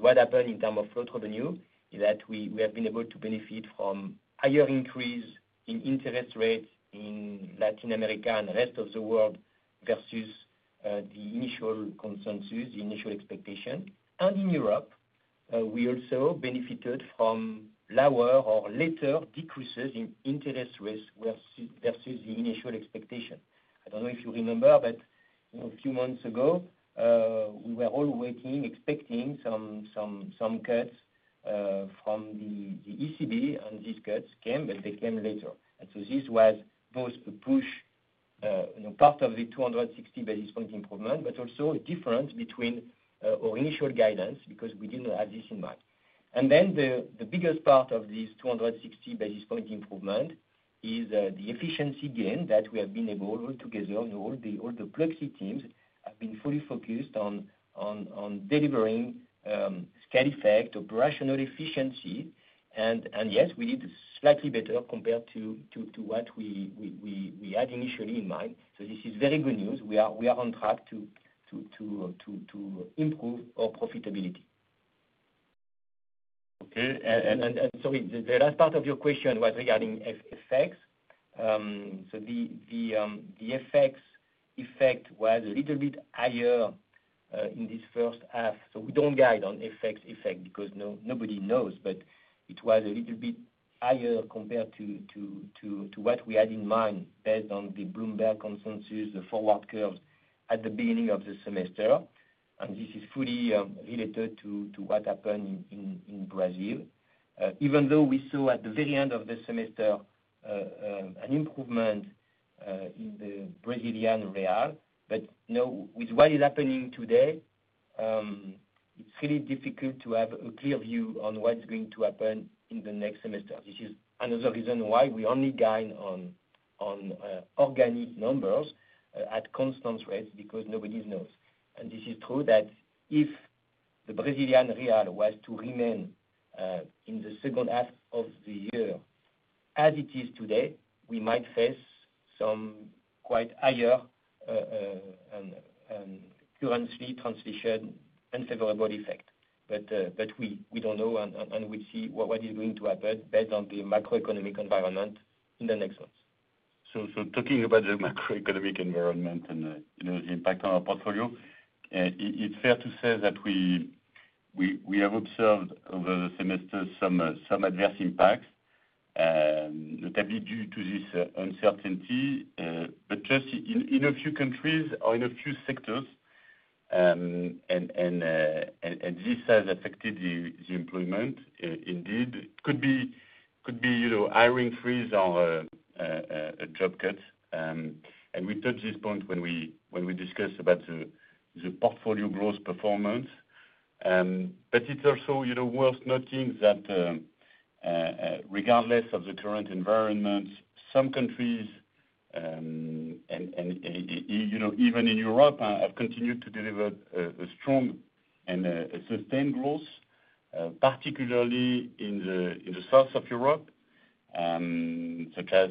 What happened in terms of float revenue is that we have been able to benefit from a higher increase in interest rates in Latin America and the rest of the world versus the initial consensus, the initial expectation. In Europe, we also benefited from lower or later decreases in interest rates versus the initial expectation. I don't know if you remember, but a few months ago, we were all waiting, expecting some cuts from the ECB, and these cuts came, but they came later. This was both a push, part of the 260 basis point improvement, but also a difference between our initial guidance because we didn't have this in mind. The biggest part of this 260 basis point improvement is the efficiency gain that we have been able all together, and all the Pluxee teams have been fully focused on delivering scale effect, operational efficiency. Yes, we did slightly better compared to what we had initially in mind. This is very good news. We are on track to improve our profitability. Okay. Sorry, the last part of your question was regarding effects. The effects effect was a little bit higher in this first half. We do not guide on effects effect because nobody knows, but it was a little bit higher compared to what we had in mind based on the Bloomberg consensus, the forward curves at the beginning of the semester. This is fully related to what happened in Brazil, even though we saw at the very end of the semester an improvement in the Brazilian real. With what is happening today, it is really difficult to have a clear view on what is going to happen in the next semester. This is another reason why we only guide on organic numbers at constant rates because nobody knows. It is true that if the Brazilian real was to remain in the second half of the year as it is today, we might face some quite higher currency transition unfavorable effect. We do not know, and we will see what is going to happen based on the macroeconomic environment in the next months. Talking about the macroeconomic environment and the impact on our portfolio, it is fair to say that we have observed over the semester some adverse impacts, notably due to this uncertainty, but just in a few countries or in a few sectors. This has affected the employment, indeed. It could be hiring freeze or a job cut. We touched this point when we discussed about the portfolio growth performance. It is also worth noting that regardless of the current environment, some countries, and even in Europe, have continued to deliver strong and sustained growth, particularly in the south of Europe, such as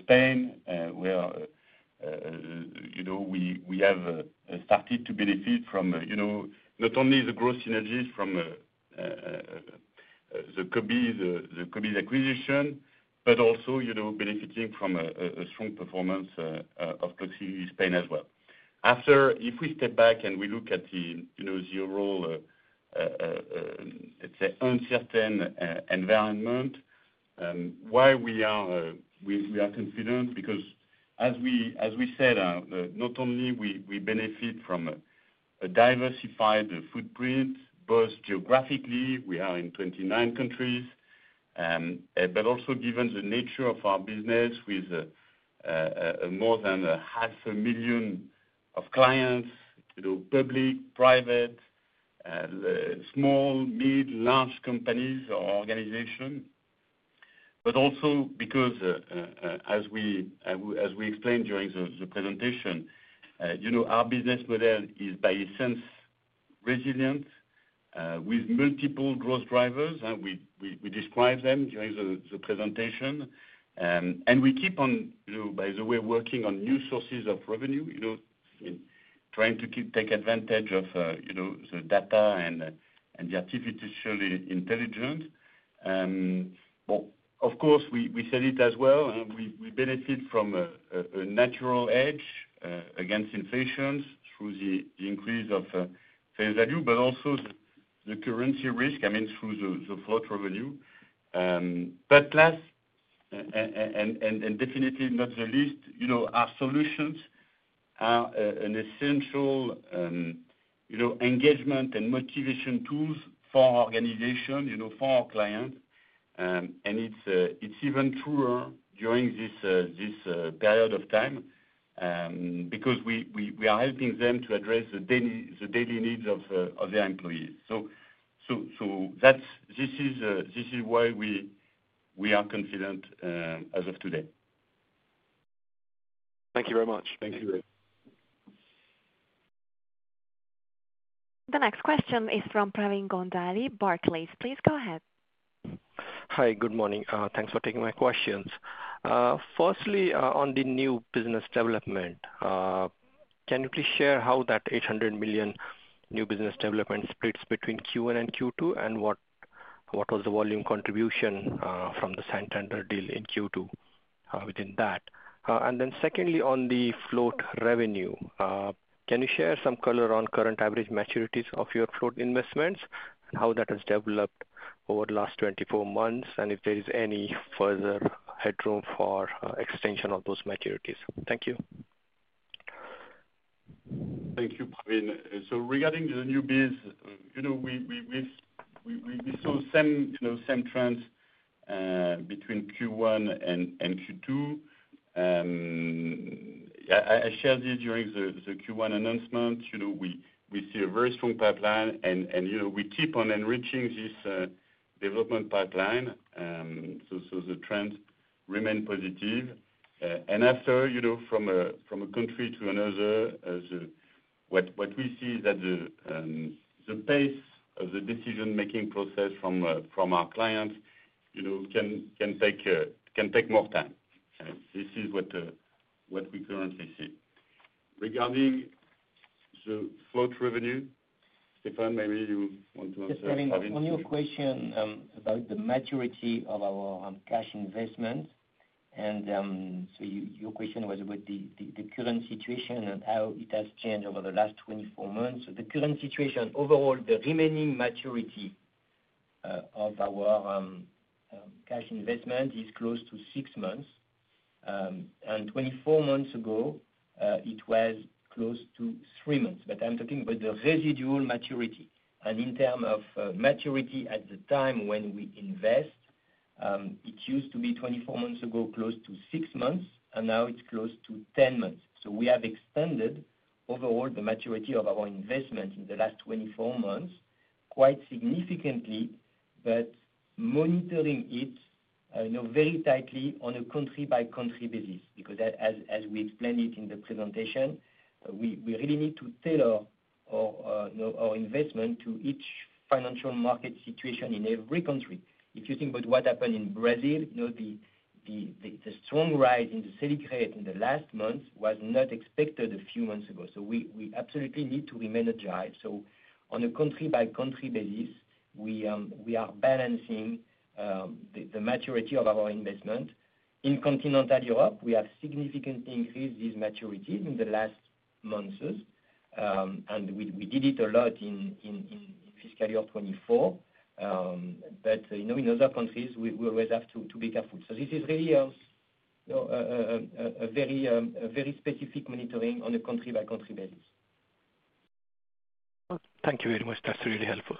Spain, where we have started to benefit from not only the growth synergies from the Cobee acquisition, but also benefiting from a strong performance of Pluxee Spain as well. If we step back and we look at the overall, let's say, uncertain environment, why are we confident? Because as we said, not only do we benefit from a diversified footprint, both geographically, we are in 28 countries, but also given the nature of our business with more than 500,000 clients, public, private, small, mid, large companies or organizations. Also, as we explained during the presentation, our business model is, by essence, resilient with multiple growth drivers. We described them during the presentation. We keep on, by the way, working on new sources of revenue, trying to take advantage of the data and the artificial intelligence. Of course, we said it as well. We benefit from a natural edge against inflations through the increase of face value, but also the currency risk, I mean, through the float revenue. Last, and definitely not the least, our solutions are an essential engagement and motivation tools for our organization, for our clients. It is even truer during this period of time because we are helping them to address the daily needs of their employees. This is why we are confident as of today. Thank you very much. Thank you. The next question is from Pravin Gondhale, Barclays. Please go ahead. Hi. Good morning. Thanks for taking my questions. Firstly, on the new business development, can you please share how that 800 million new business development splits between Q1 and Q2, and what was the volume contribution from the Santander deal in Q2 within that? Secondly, on the float revenue, can you share some color on current average maturities of your float investments and how that has developed over the last 24 months, and if there is any further headroom for extension of those maturities? Thank you. Thank you, Pravin. Regarding the new bids, we saw some trends between Q1 and Q2. I shared this during the Q1 announcement. We see a very strong pipeline, and we keep on enriching this development pipeline so the trends remain positive. I have heard from a country to another, what we see is that the pace of the decision-making process from our clients can take more time. This is what we currently see. Regarding the float revenue, Stéphane, maybe you want to answer? Yes, Pravin. On your question about the maturity of our cash investments, your question was about the current situation and how it has changed over the last 24 months. The current situation, overall, the remaining maturity of our cash investment is close to six months. Twenty-four months ago, it was close to three months. I am talking about the residual maturity. In terms of maturity at the time when we invest, it used to be, 24 months ago, close to six months, and now it is close to 10 months. We have extended overall the maturity of our investment in the last 24 months quite significantly, but monitoring it very tightly on a country-by-country basis. Because as we explained it in the presentation, we really need to tailor our investment to each financial market situation in every country. If you think about what happened in Brazil, the strong rise in the salary rate in the last months was not expected a few months ago. We absolutely need to remanage our lives. On a country-by-country basis, we are balancing the maturity of our investment. In Continental Europe, we have significantly increased these maturities in the last months. We did it a lot in fiscal year 2024. In other countries, we always have to be careful. This is really a very specific monitoring on a country-by-country basis. Thank you very much. That's really helpful.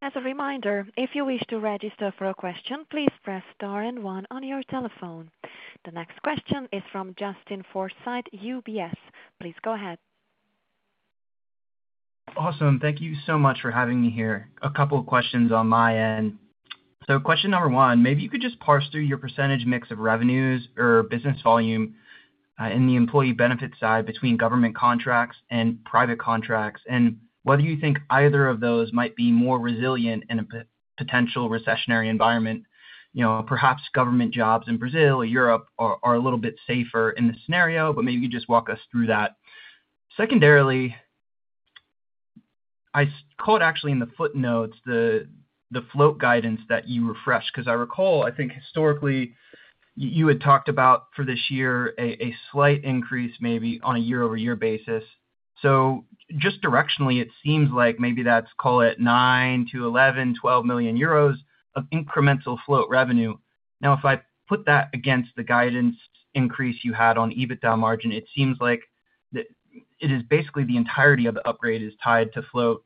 As a reminder, if you wish to register for a question, please press star and one on your telephone. The next question is from Justin Forsythe, UBS. Please go ahead. Awesome. Thank you so much for having me here. A couple of questions on my end. Question number one, maybe you could just parse through your percentage mix of revenues or business volume in the employee benefit side between government contracts and private contracts, and whether you think either of those might be more resilient in a potential recessionary environment. Perhaps government jobs in Brazil or Europe are a little bit safer in this scenario, but maybe you could just walk us through that. Secondarily, I caught actually in the footnotes the float guidance that you refreshed. Because I recall, I think historically, you had talked about for this year a slight increase maybe on a year-over-year basis. Just directionally, it seems like maybe that's, call it, 9-11 million euros, 12 million euros of incremental float revenue. Now, if I put that against the guidance increase you had on EBITDA margin, it seems like it is basically the entirety of the upgrade is tied to float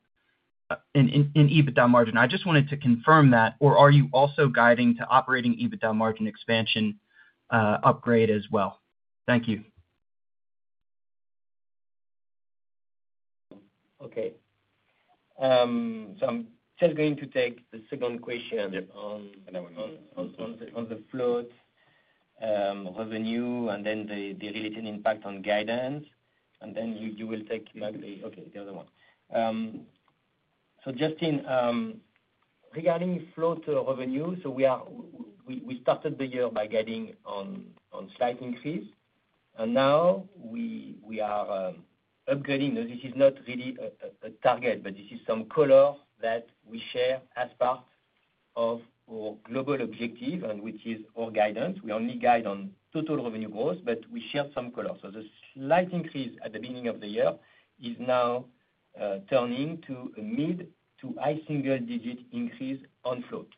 in EBITDA margin. I just wanted to confirm that. Are you also guiding to operating EBITDA margin expansion upgrade as well? Thank you. Okay. I am just going to take the second question on the float revenue and then the related impact on guidance. You will take the other one. Justin, regarding float revenue, we started the year by guiding on slight increase. Now we are upgrading. This is not really a target, but this is some color that we share as part of our global objective, which is our guidance. We only guide on total revenue growth, but we share some colors. The slight increase at the beginning of the year is now turning to a mid to high single-digit increase on float.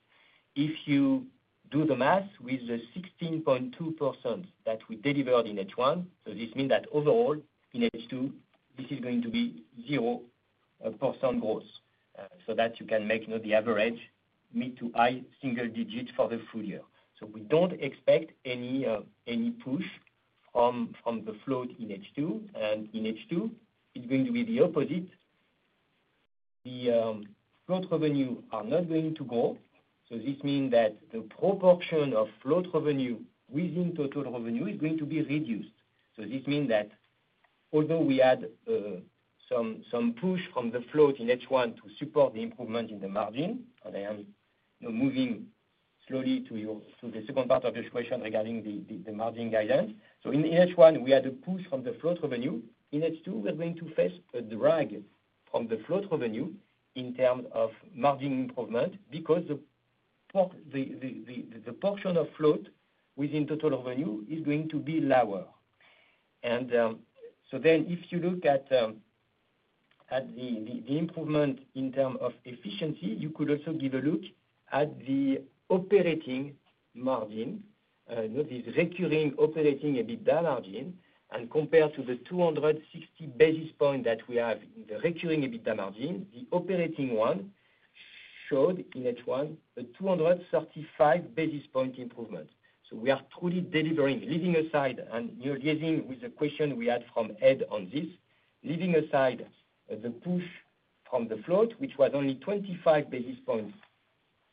If you do the math with the 16.2% that we delivered in H1, this means that overall in H2, this is going to be 0% growth so that you can make the average mid to high single-digit for the full year. We do not expect any push from the float in H2. In H2, it is going to be the opposite. The float revenue are not going to grow. This means that the proportion of float revenue within total revenue is going to be reduced. This means that although we had some push from the float in H1 to support the improvement in the margin, and I am moving slowly to the second part of your question regarding the margin guidance. In H1, we had a push from the float revenue. In H2, we're going to face a drag from the float revenue in terms of margin improvement because the portion of float within total revenue is going to be lower. If you look at the improvement in terms of efficiency, you could also give a look at the operating margin, this recurring operating EBITDA margin, and compare to the 260 basis points that we have in the recurring EBITDA margin, the operating one showed in H1 a 235 basis point improvement. We are truly delivering, leaving aside, and you're leading with the question we had from Ed on this, leaving aside the push from the float, which was only 25 basis points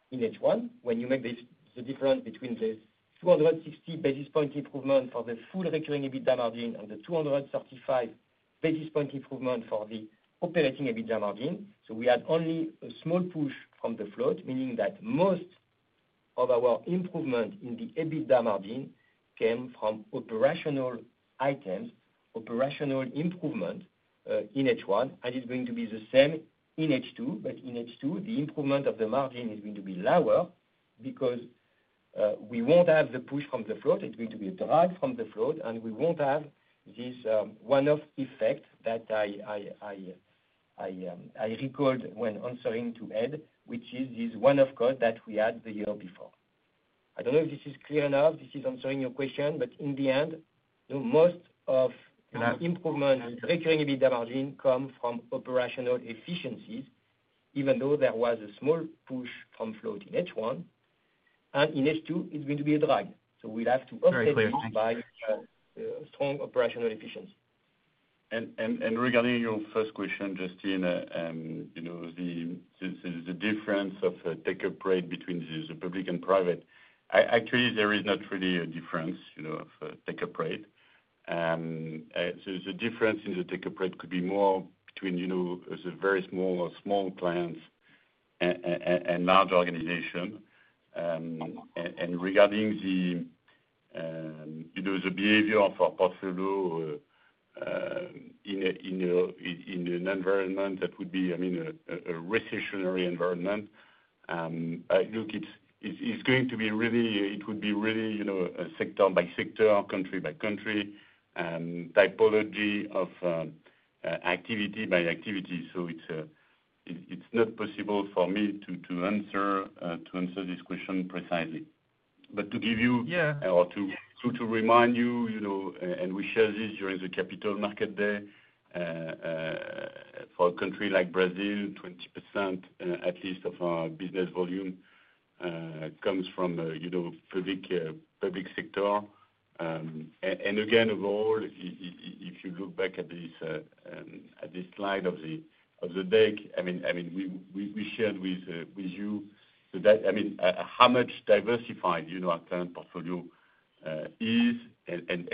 in H1. When you make the difference between the 260 basis point improvement for the full recurring EBITDA margin and the 235 basis point improvement for the operating EBITDA margin, we had only a small push from the float, meaning that most of our improvement in the EBITDA margin came from operational items, operational improvement in H1, and it's going to be the same in H2. In H2, the improvement of the margin is going to be lower because we won't have the push from the float. It's going to be a drag from the float, and we won't have this one-off effect that I recalled when answering to Ed, which is this one-off cost that we had the year before. I don't know if this is clear enough. This is answering your question, but in the end, most of the improvement in recurring EBITDA margin come from operational efficiencies, even though there was a small push from float in H1. In H2, it's going to be a drag. We'll have to upgrade by strong operational efficiency. Regarding your first question, Justin, the difference of the take-up rate between the public and private, actually, there is not really a difference of take-up rate. The difference in the take-up rate could be more between the very small clients and large organizations. Regarding the behavior of our portfolio in an environment that would be, I mean, a recessionary environment, it's going to be really a sector-by-sector, country-by-country typology of activity by activity. It's not possible for me to answer this question precisely. To give you or to remind you, and we shared this during the capital market day, for a country like Brazil, 20% at least of our business volume comes from public sector. Again, if you look back at this slide of the deck, I mean, we shared with you how much diversified our current portfolio is.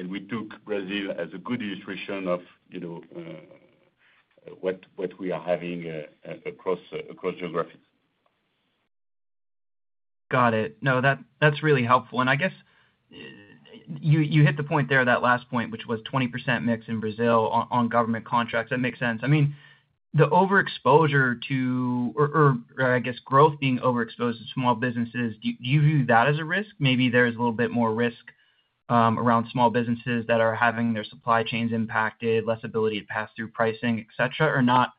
We took Brazil as a good illustration of what we are having across geographies. Got it. No, that's really helpful. I guess you hit the point there, that last point, which was 20% mix in Brazil on government contracts. That makes sense. I mean, the overexposure to, or I guess, growth being overexposed to small businesses, do you view that as a risk? Maybe there is a little bit more risk around small businesses that are having their supply chains impacted, less ability to pass through pricing, etc., or not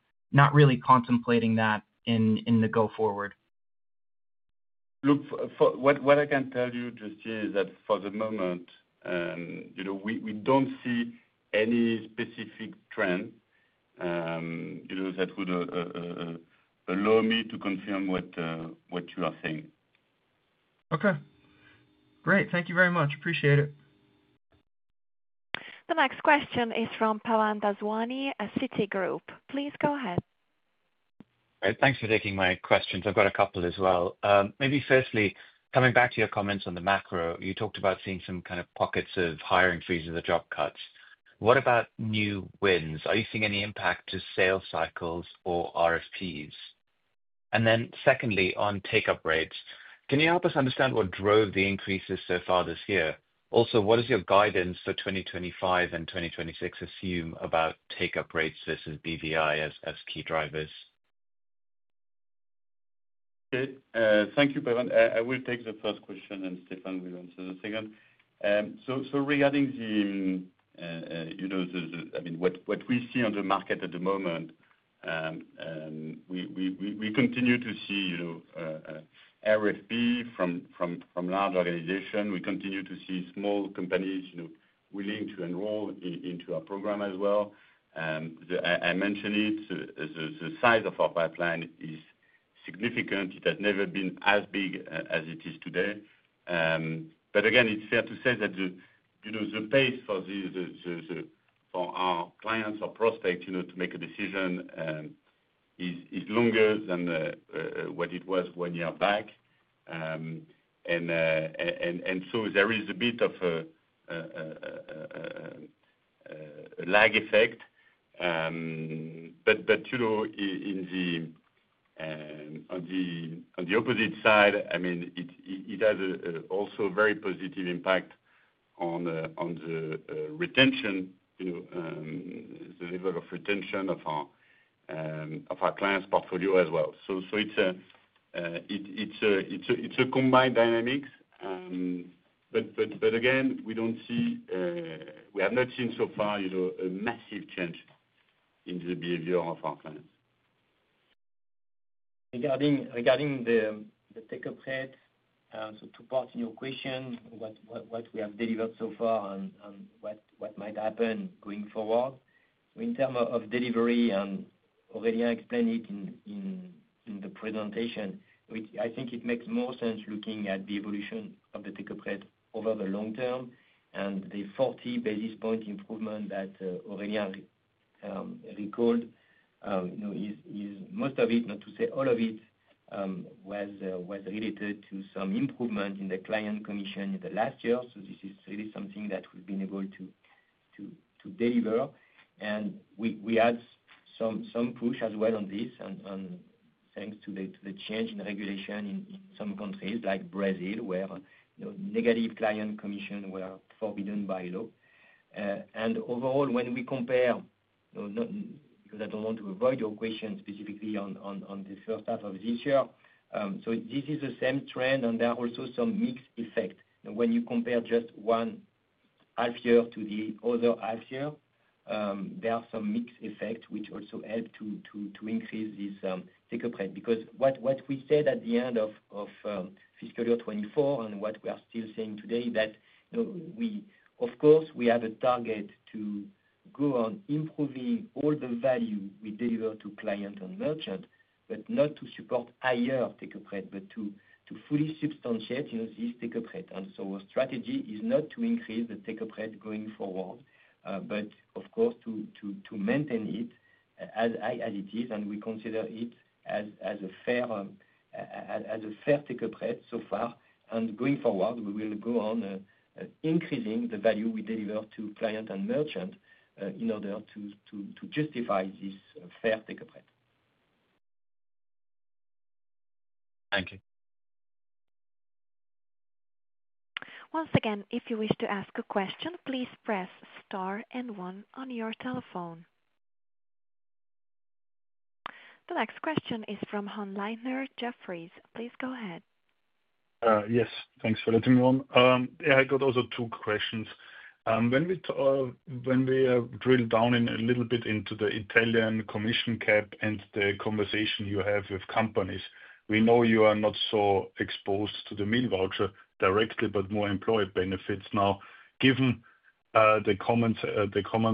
really contemplating that in the go-forward? Look, what I can tell you, Justin, is that for the moment, we do not see any specific trend that would allow me to confirm what you are saying. Okay. Great. Thank you very much. Appreciate it. The next question is from Pavan Daswani, at Citigroup. Please go ahead. Thanks for taking my questions. I have got a couple as well. Maybe firstly, coming back to your comments on the macro, you talked about seeing some kind of pockets of hiring freeze in the job cuts. What about new wins? Are you seeing any impact to sales cycles or RFPs? Secondly, on take-up rates, can you help us understand what drove the increases so far this year? Also, what does your guidance for 2025 and 2026 assume about take-up rates versus BVI as key drivers? Thank you, Pavan. I will take the first question, and Stéphane will answer the second. Regarding what we see on the market at the moment, we continue to see RFP from large organizations. We continue to see small companies willing to enroll into our program as well. I mentioned it. The size of our pipeline is significant. It has never been as big as it is today. Again, it's fair to say that the pace for our clients or prospects to make a decision is longer than what it was one year back. There is a bit of a lag effect. On the opposite side, I mean, it has also a very positive impact on the retention, the level of retention of our clients' portfolio as well. It is a combined dynamic. Again, we have not seen so far a massive change in the behavior of our clients. Regarding the take-up rates, to part in your question, what we have delivered so far and what might happen going forward. In terms of delivery, and Aurélien explained it in the presentation, I think it makes more sense looking at the evolution of the take-up rate over the long term. The 40 basis point improvement that Aurélien recalled is most of it, not to say all of it, was related to some improvement in the client commission in the last year. This is really something that we've been able to deliver. We had some push as well on this, thanks to the change in regulation in some countries like Brazil, where negative client commission were forbidden by law. Overall, when we compare, because I do not want to avoid your question specifically on the first half of this year, this is the same trend, and there are also some mixed effects. When you compare just one half year to the other half year, there are some mixed effects which also help to increase this take-up rate. Because what we said at the end of fiscal year 2024 and what we are still saying today is that, of course, we have a target to go on improving all the value we deliver to clients and merchants, but not to support higher take-up rate, but to fully substantiate this take-up rate. Our strategy is not to increase the take-up rate going forward, but, of course, to maintain it as it is, and we consider it as a fair take-up rate so far. Going forward, we will go on increasing the value we deliver to clients and merchants in order to justify this fair take-up rate. Thank you. Once again, if you wish to ask a question, please press star and one on your telephone. The next question is from Hannes Leitner, Jefferies. Please go ahead. Yes. Thanks for letting me on. Yeah, I got also two questions. When we drill down a little bit into the Italian commission cap and the conversation you have with companies, we know you are not so exposed to the meal voucher directly, but more employee benefits. Now, given the common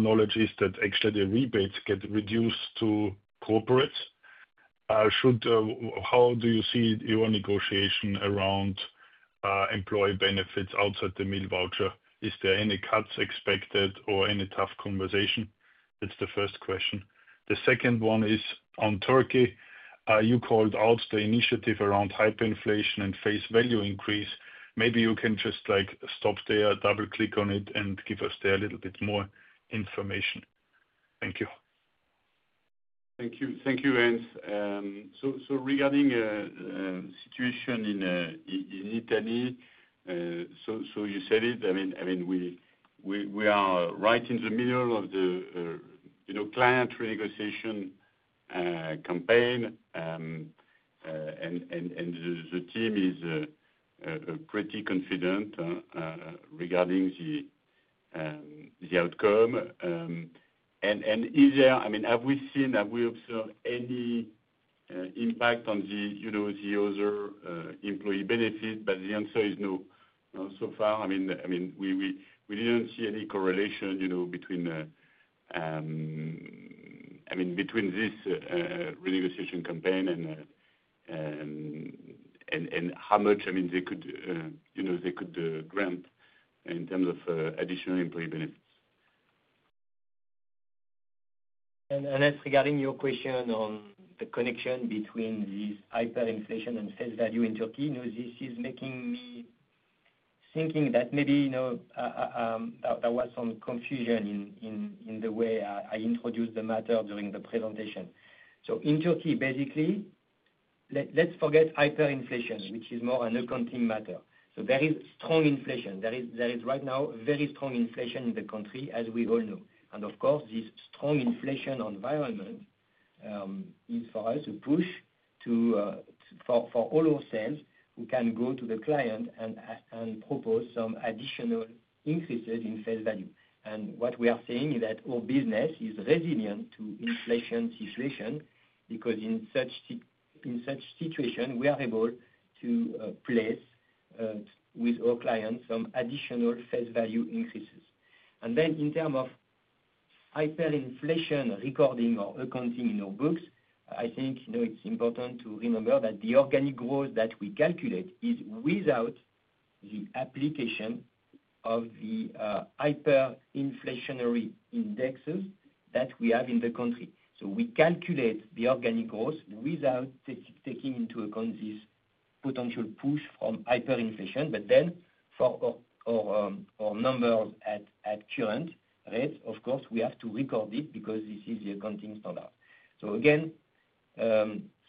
knowledge is that actually the rebates get reduced to corporates, how do you see your negotiation around employee benefits outside the meal voucher? Is there any cuts expected or any tough conversation? That's the first question. The second one is on Turkey. You called out the initiative around hyperinflation and face value increase. Maybe you can just stop there, double-click on it, and give us a little bit more information. Thank you. Thank you. Thank you, Hannes. Regarding the situation in Italy, you said it. I mean, we are right in the middle of the client renegotiation campaign, and the team is pretty confident regarding the outcome. Have we seen, have we observed any impact on the other employee benefits? The answer is no so far. I mean, we did not see any correlation between this renegotiation campaign and how much they could grant in terms of additional employee benefits. Regarding your question on the connection between this hyperinflation and face value in Turkey, this is making me think that maybe there was some confusion in the way I introduced the matter during the presentation. In Turkey, basically, let's forget hyperinflation, which is more an accounting matter. There is strong inflation. There is right now very strong inflation in the country, as we all know. Of course, this strong inflation environment is for us to push for all ourselves who can go to the client and propose some additional increases in face value. What we are saying is that our business is resilient to inflation situations because in such situations, we are able to place with our clients some additional face value increases. In terms of hyperinflation recording or accounting in our books, I think it's important to remember that the organic growth that we calculate is without the application of the hyperinflationary indexes that we have in the country. We calculate the organic growth without taking into account this potential push from hyperinflation. For our numbers at current rates, of course, we have to record it because this is the accounting standard.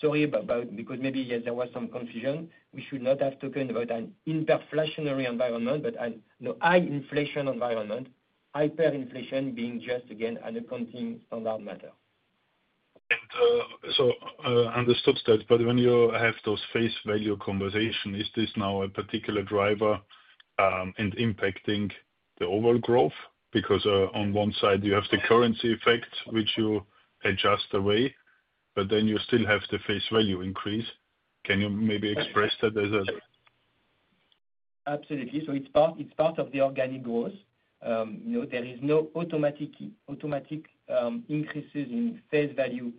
Sorry about that, because maybe there was some confusion. We should not have spoken about an inflationary environment, but a high inflation environment, hyperinflation being just, again, an accounting standard matter. Understood that. When you have those face value conversations, is this now a particular driver and impacting the overall growth? Because on one side, you have the currency effect, which you adjust away, but then you still have the face value increase. Can you maybe express that as a? Absolutely. It is part of the organic growth. There are no automatic increases in face value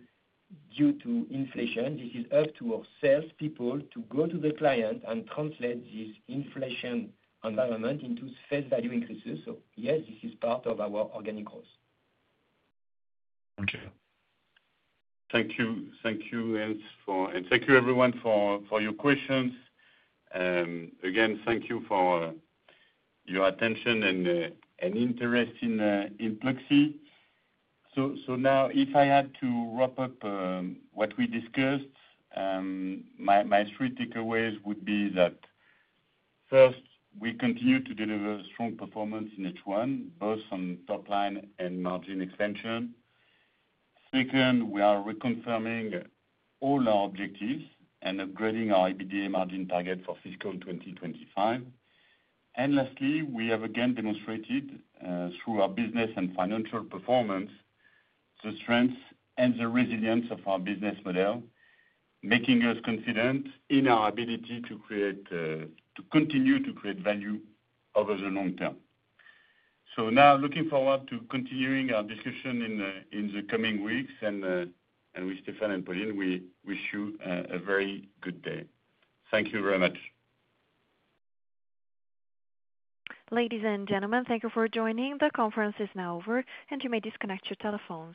due to inflation. This is up to our salespeople to go to the client and translate this inflation environment into face value increases. Yes, this is part of our organic growth. Thank you, Hannes. Thank you, everyone, for your questions. Thank you for your attention and interest in Pluxee. If I had to wrap up what we discussed, my three takeaways would be that, first, we continue to deliver strong performance in H1, both on top line and margin extension. Second, we are reconfirming all our objectives and upgrading our EBITDA margin target for fiscal 2025. Lastly, we have again demonstrated through our business and financial performance the strength and the resilience of our business model, making us confident in our ability to continue to create value over the long term. Looking forward to continuing our discussion in the coming weeks. We, Stéphane and Pauline, wish you a very good day. Thank you very much. Ladies and gentlemen, thank you for joining. The conference is now over, and you may disconnect your telephones.